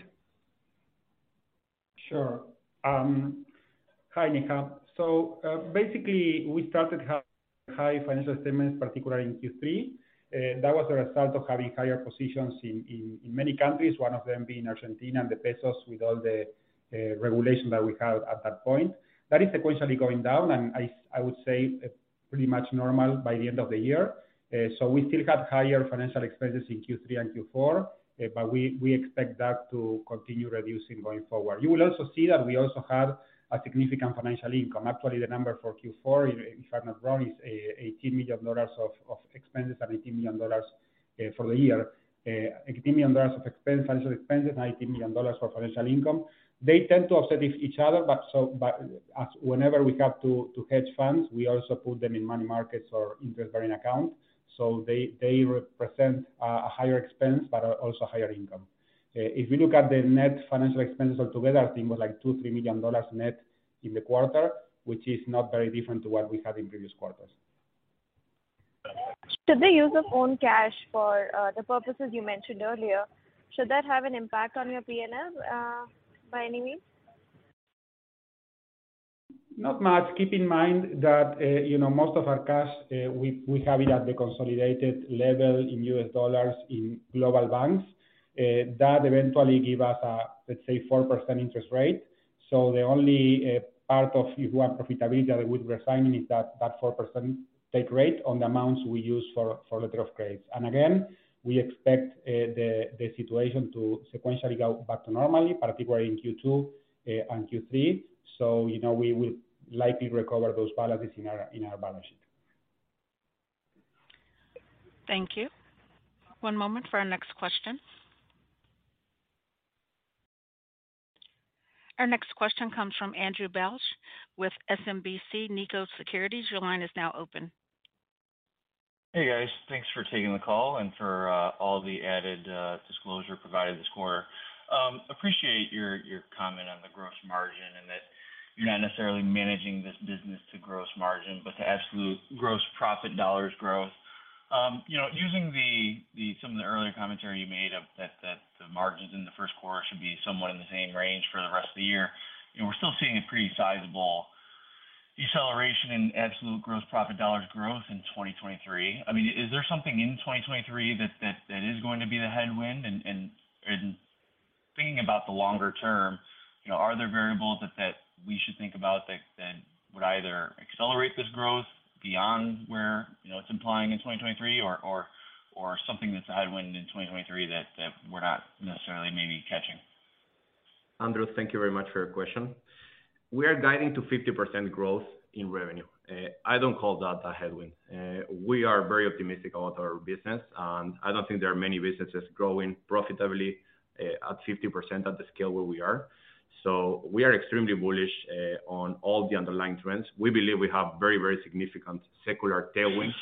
Sure. Hi, Neha. Basically we started having high financial statements, particularly in Q3. That was a result of having higher positions in many countries, one of them being Argentina and the pesos with all the regulation that we had at that point. That is sequentially going down. I would say pretty much normal by the end of the year. We still have higher financial expenses in Q3 and Q4, but we expect that to continue reducing going forward. You will also see that we also have a significant financial income. Actually, the number for Q4, if I'm not wrong, is $18 million of expenses and $18 million for the year. $18 million of expense, financial expenses, $19 million for financial income. They tend to offset each other, but as whenever we have to hedge funds, we also put them in money markets or interest-bearing account. They represent a higher expense but also higher income. If you look at the net financial expense altogether, I think it was like $2 million-$3 million net in the quarter, which is not very different to what we had in previous quarters. Should the use of own cash for the purposes you mentioned earlier, should that have an impact on your P&L by any means? Not much. Keep in mind that, you know, most of our cash, we have it at the consolidated level in U.S. dollars in global banks. That eventually give us a, let's say, 4% interest rate. The only part of you who are profitability that I would reassign is that 4% take rate on the amounts we use for letter of credits. Again, we expect the situation to sequentially go back to normal, particularly in Q2, and Q3. You know, we will likely recover those balances in our balance sheet. Thank you. One moment for our next question. Our next question comes from Andrew Bauch with SMBC Nikko Securities. Your line is now open. Hey, guys. Thanks for taking the call and for all the added disclosure provided this quarter. Appreciate your comment on the gross margin and that you're not necessarily managing this business to gross margin, but to absolute gross profit dollars growth. You know, using the some of the earlier commentary you made of that the margins in the first quarter should be somewhat in the same range for the rest of the year, and we're still seeing a pretty sizable deceleration in absolute gross profit dollars growth in 2023. I mean, is there something in 2023 that is going to be the headwind? Thinking about the longer term, you know, are there variables that we should think about that would either accelerate this growth beyond where, you know, it's implying in 2023 or something that's a headwind in 2023 that we're not necessarily maybe catching? Andrew, thank you very much for your question. We are guiding to 50% growth in revenue. I don't call that a headwind. We are very optimistic about our business, and I don't think there are many businesses growing profitably at 50% at the scale where we are. We are extremely bullish on all the underlying trends. We believe we have very, very significant secular tailwind.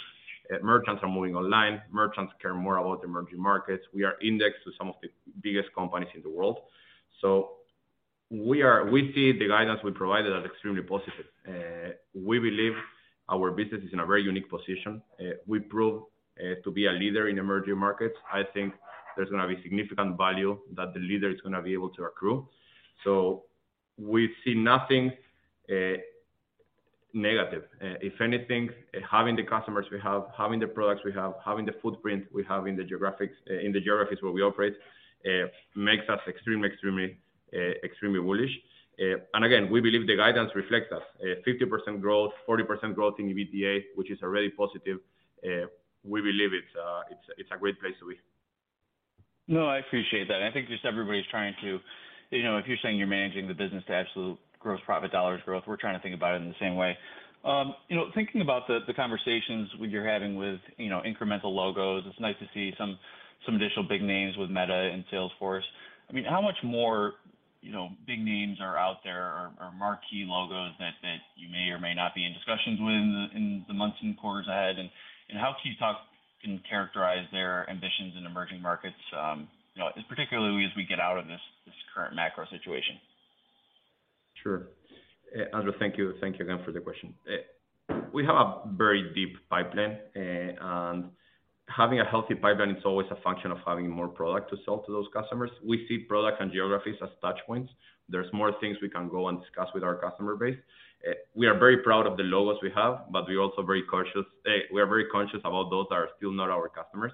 Merchants are moving online. Merchants care more about emerging markets. We are indexed to some of the biggest companies in the world. We see the guidance we provided as extremely positive. We believe our business is in a very unique position. We prove to be a leader in emerging markets. I think there's gonna be significant value that the leader is gonna be able to accrue. We see nothing negative. If anything, having the customers we have, having the products we have, having the footprint we have in the geographies where we operate, makes us extremely bullish. Again, we believe the guidance reflects us. 50% growth, 40% growth in EBITDA, which is already positive. We believe it's a great place to be. No, I appreciate that. I think just everybody's trying to, you know, if you're saying you're managing the business to absolute gross profit dollars growth, we're trying to think about it in the same way. You know, thinking about the conversations you're having with, you know, incremental logos, it's nice to see some additional big names with Meta and Salesforce. I mean, how much more, you know, big names are out there or marquee logos that you may or may not be in discussions with in the, in the months and quarters ahead? How can you characterize their ambitions in emerging markets, you know, particularly as we get out of this current macro situation? Sure. Andrew, thank you. Thank you again for the question. We have a very deep pipeline. Having a healthy pipeline is always a function of having more product to sell to those customers. We see product and geographies as touch points. There's more things we can go and discuss with our customer base. We are very proud of the logos we have, but we're also very cautious. We are very conscious about those that are still not our customers.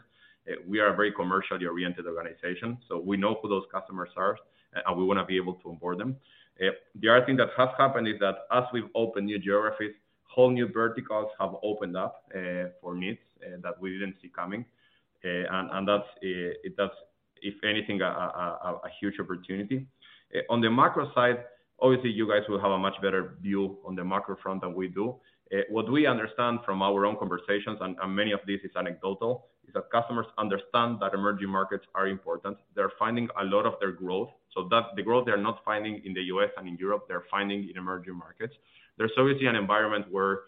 We are a very commercially oriented organization, so we know who those customers are, and we want to be able to onboard them. The other thing that has happened is that as we've opened new geographies, whole new verticals have opened up for me that we didn't see coming. That's if anything, a huge opportunity. On the macro side, obviously, you guys will have a much better view on the macro front than we do. What we understand from our own conversations, and many of this is anecdotal, is that customers understand that emerging markets are important. They're finding a lot of their growth. That's the growth they're not finding in the US and in Europe, they're finding in emerging markets. There's obviously an environment where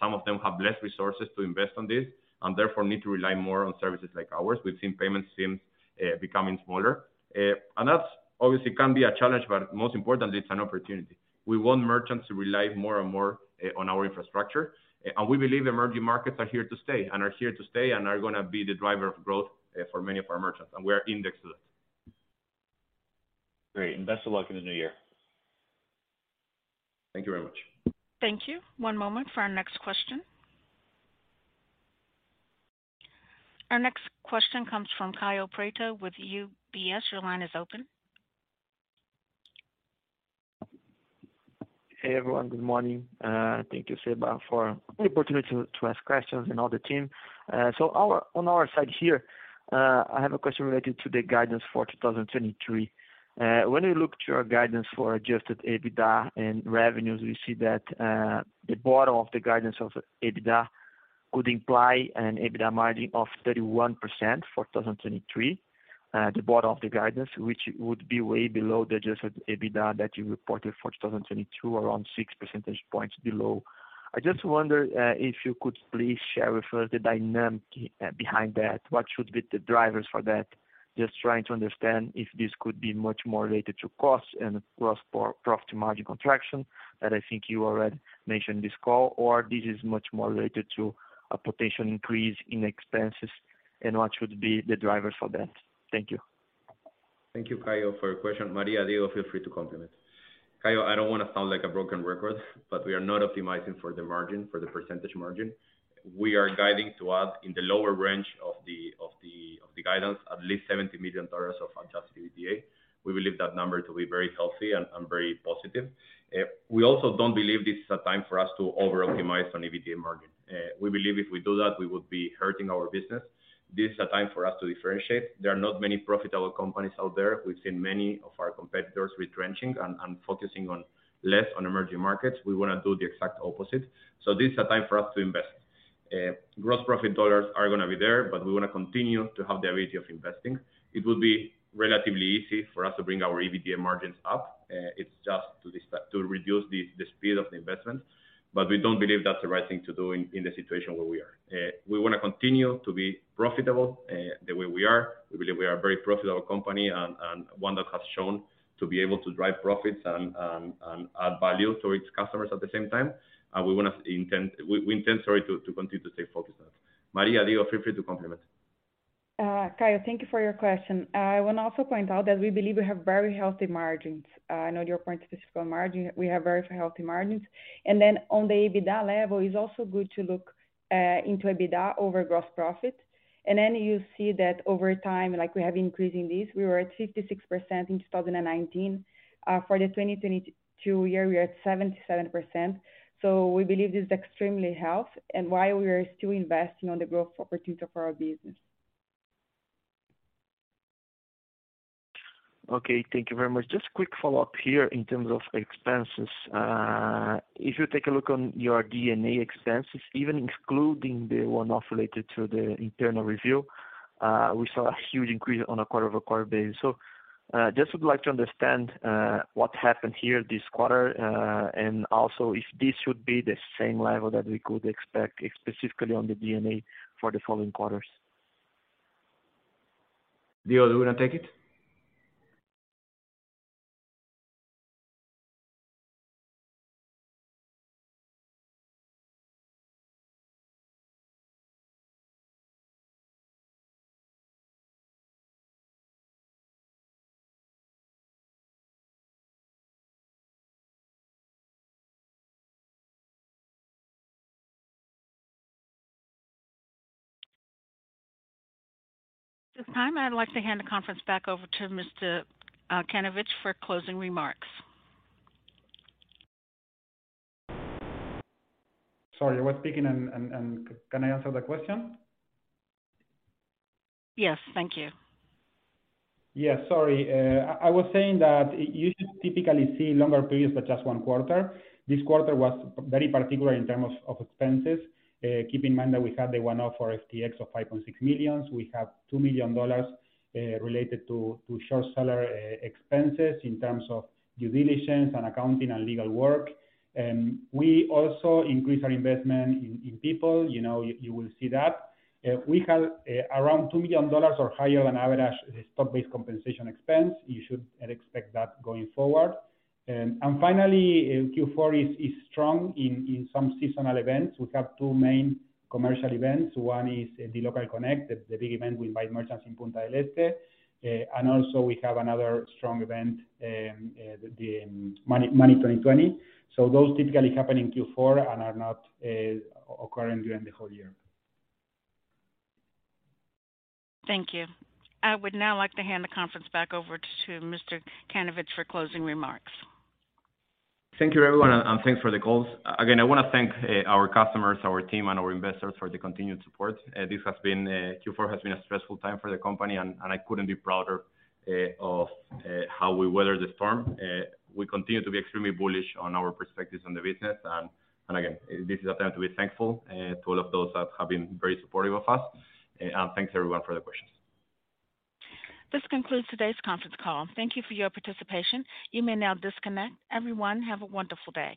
some of them have less resources to invest on this and therefore need to rely more on services like ours. We've seen payment teams becoming smaller. That's obviously can be a challenge, but most importantly, it's an opportunity. We want merchants to rely more and more on our infrastructure. We believe emerging markets are here to stay and are gonna be the driver of growth for many of our merchants, and we are indexed to that. Great. Best of luck in the new year. Thank you very much. Thank you. One moment for our next question. Our next question comes from Kaio Prato with UBS. Your line is open. Hey, everyone. Good morning. Thank you, Seba, for the opportunity to ask questions and all the team. On our side here, I have a question related to the guidance for 2023. When we look to your guidance for adjusted EBITDA and revenues, we see that the bottom of the guidance of EBITDA could imply an EBITDA margin of 31% for 2023, the bottom of the guidance, which would be way below the adjusted EBITDA that you reported for 2022, around 6 percentage points below. I just wonder if you could please share with us the dynamic behind that. What should be the drivers for that? Just trying to understand if this could be much more related to cost and gross profit margin contraction that I think you already mentioned this call, or this is much more related to a potential increase in expenses and what should be the drivers for that. Thank you. Thank you, Caio, for your question. Maria, Diego, feel free to complement. Caio, I don't want to sound like a broken record, but we are not optimizing for the margin, for the percentage margin. We are guiding to us in the lower range of the guidance, at least $70 million of adjusted EBITDA. We believe that number to be very healthy and very positive. We also don't believe this is a time for us to over optimize on EBITDA margin. We believe if we do that, we will be hurting our business. This is a time for us to differentiate. There are not many profitable companies out there. We've seen many of our competitors retrenching and focusing on less on emerging markets. We wanna do the exact opposite. This is a time for us to invest. Gross profit dollars are gonna be there, we wanna continue to have the ability of investing. It will be relatively easy for us to bring our EBITDA margins up. It's just to reduce the speed of the investment. We don't believe that's the right thing to do in the situation where we are. We wanna continue to be profitable, the way we are. We believe we are a very profitable company and one that has shown to be able to drive profits and add value to its customers at the same time. We intend, sorry, to continue to stay focused on it. Maria, you are free to complement. Kaio, thank you for your question. I wanna also point out that we believe we have very healthy margins. I know your point is specific on margin. We have very healthy margins. On the EBITDA level, it's also good to look into EBITDA over gross profit. You see that over time, like we have increase in this, we were at 56% in 2019. For the 2022 year, we are at 77%. We believe this is extremely healthy and why we are still investing on the growth opportunity for our business. Okay, thank you very much. Just quick follow-up here in terms of expenses. If you take a look on your G&A expenses, even excluding the one-off related to the internal review, we saw a huge increase on a quarter-over-quarter basis. Just would like to understand what happened here this quarter, and also if this should be the same level that we could expect specifically on the G&A for the following quarters. Dio, do you wanna take it? At this time, I'd like to hand the conference back over to Mr. Kanovich for closing remarks. Sorry, I was speaking and can I answer the question? Yes, thank you. Yeah, sorry. I was saying that you should typically see longer periods by just one quarter. This quarter was very particular in terms of expenses. Keep in mind that we had the one-off for FTX of $5.6 million. We have $2 million related to short seller expenses in terms of due diligence and accounting and legal work. We also increased our investment in people. You know, you will see that. We have around $2 million or higher on average stock-based compensation expense. You should expect that going forward. Finally, Q4 is strong in some seasonal events. We have two main commercial events. One is the dLocal Connect. It's the big event we invite merchants in Punta del Este. Also we have another strong event, the Money20/20. Those typically happen in Q4 and are not occurring during the whole year. Thank you. I would now like to hand the conference back over to Mr. Kanovich for closing remarks. Thank you, everyone, and thanks for the calls. Again, I wanna thank our customers, our team, and our investors for the continued support. This has been Q4 has been a stressful time for the company and I couldn't be prouder of how we weathered the storm. We continue to be extremely bullish on our perspectives on the business. Again, this is a time to be thankful to all of those that have been very supportive of us. Thanks everyone for the questions. This concludes today's conference call. Thank you for your participation. You may now disconnect. Everyone, have a wonderful day.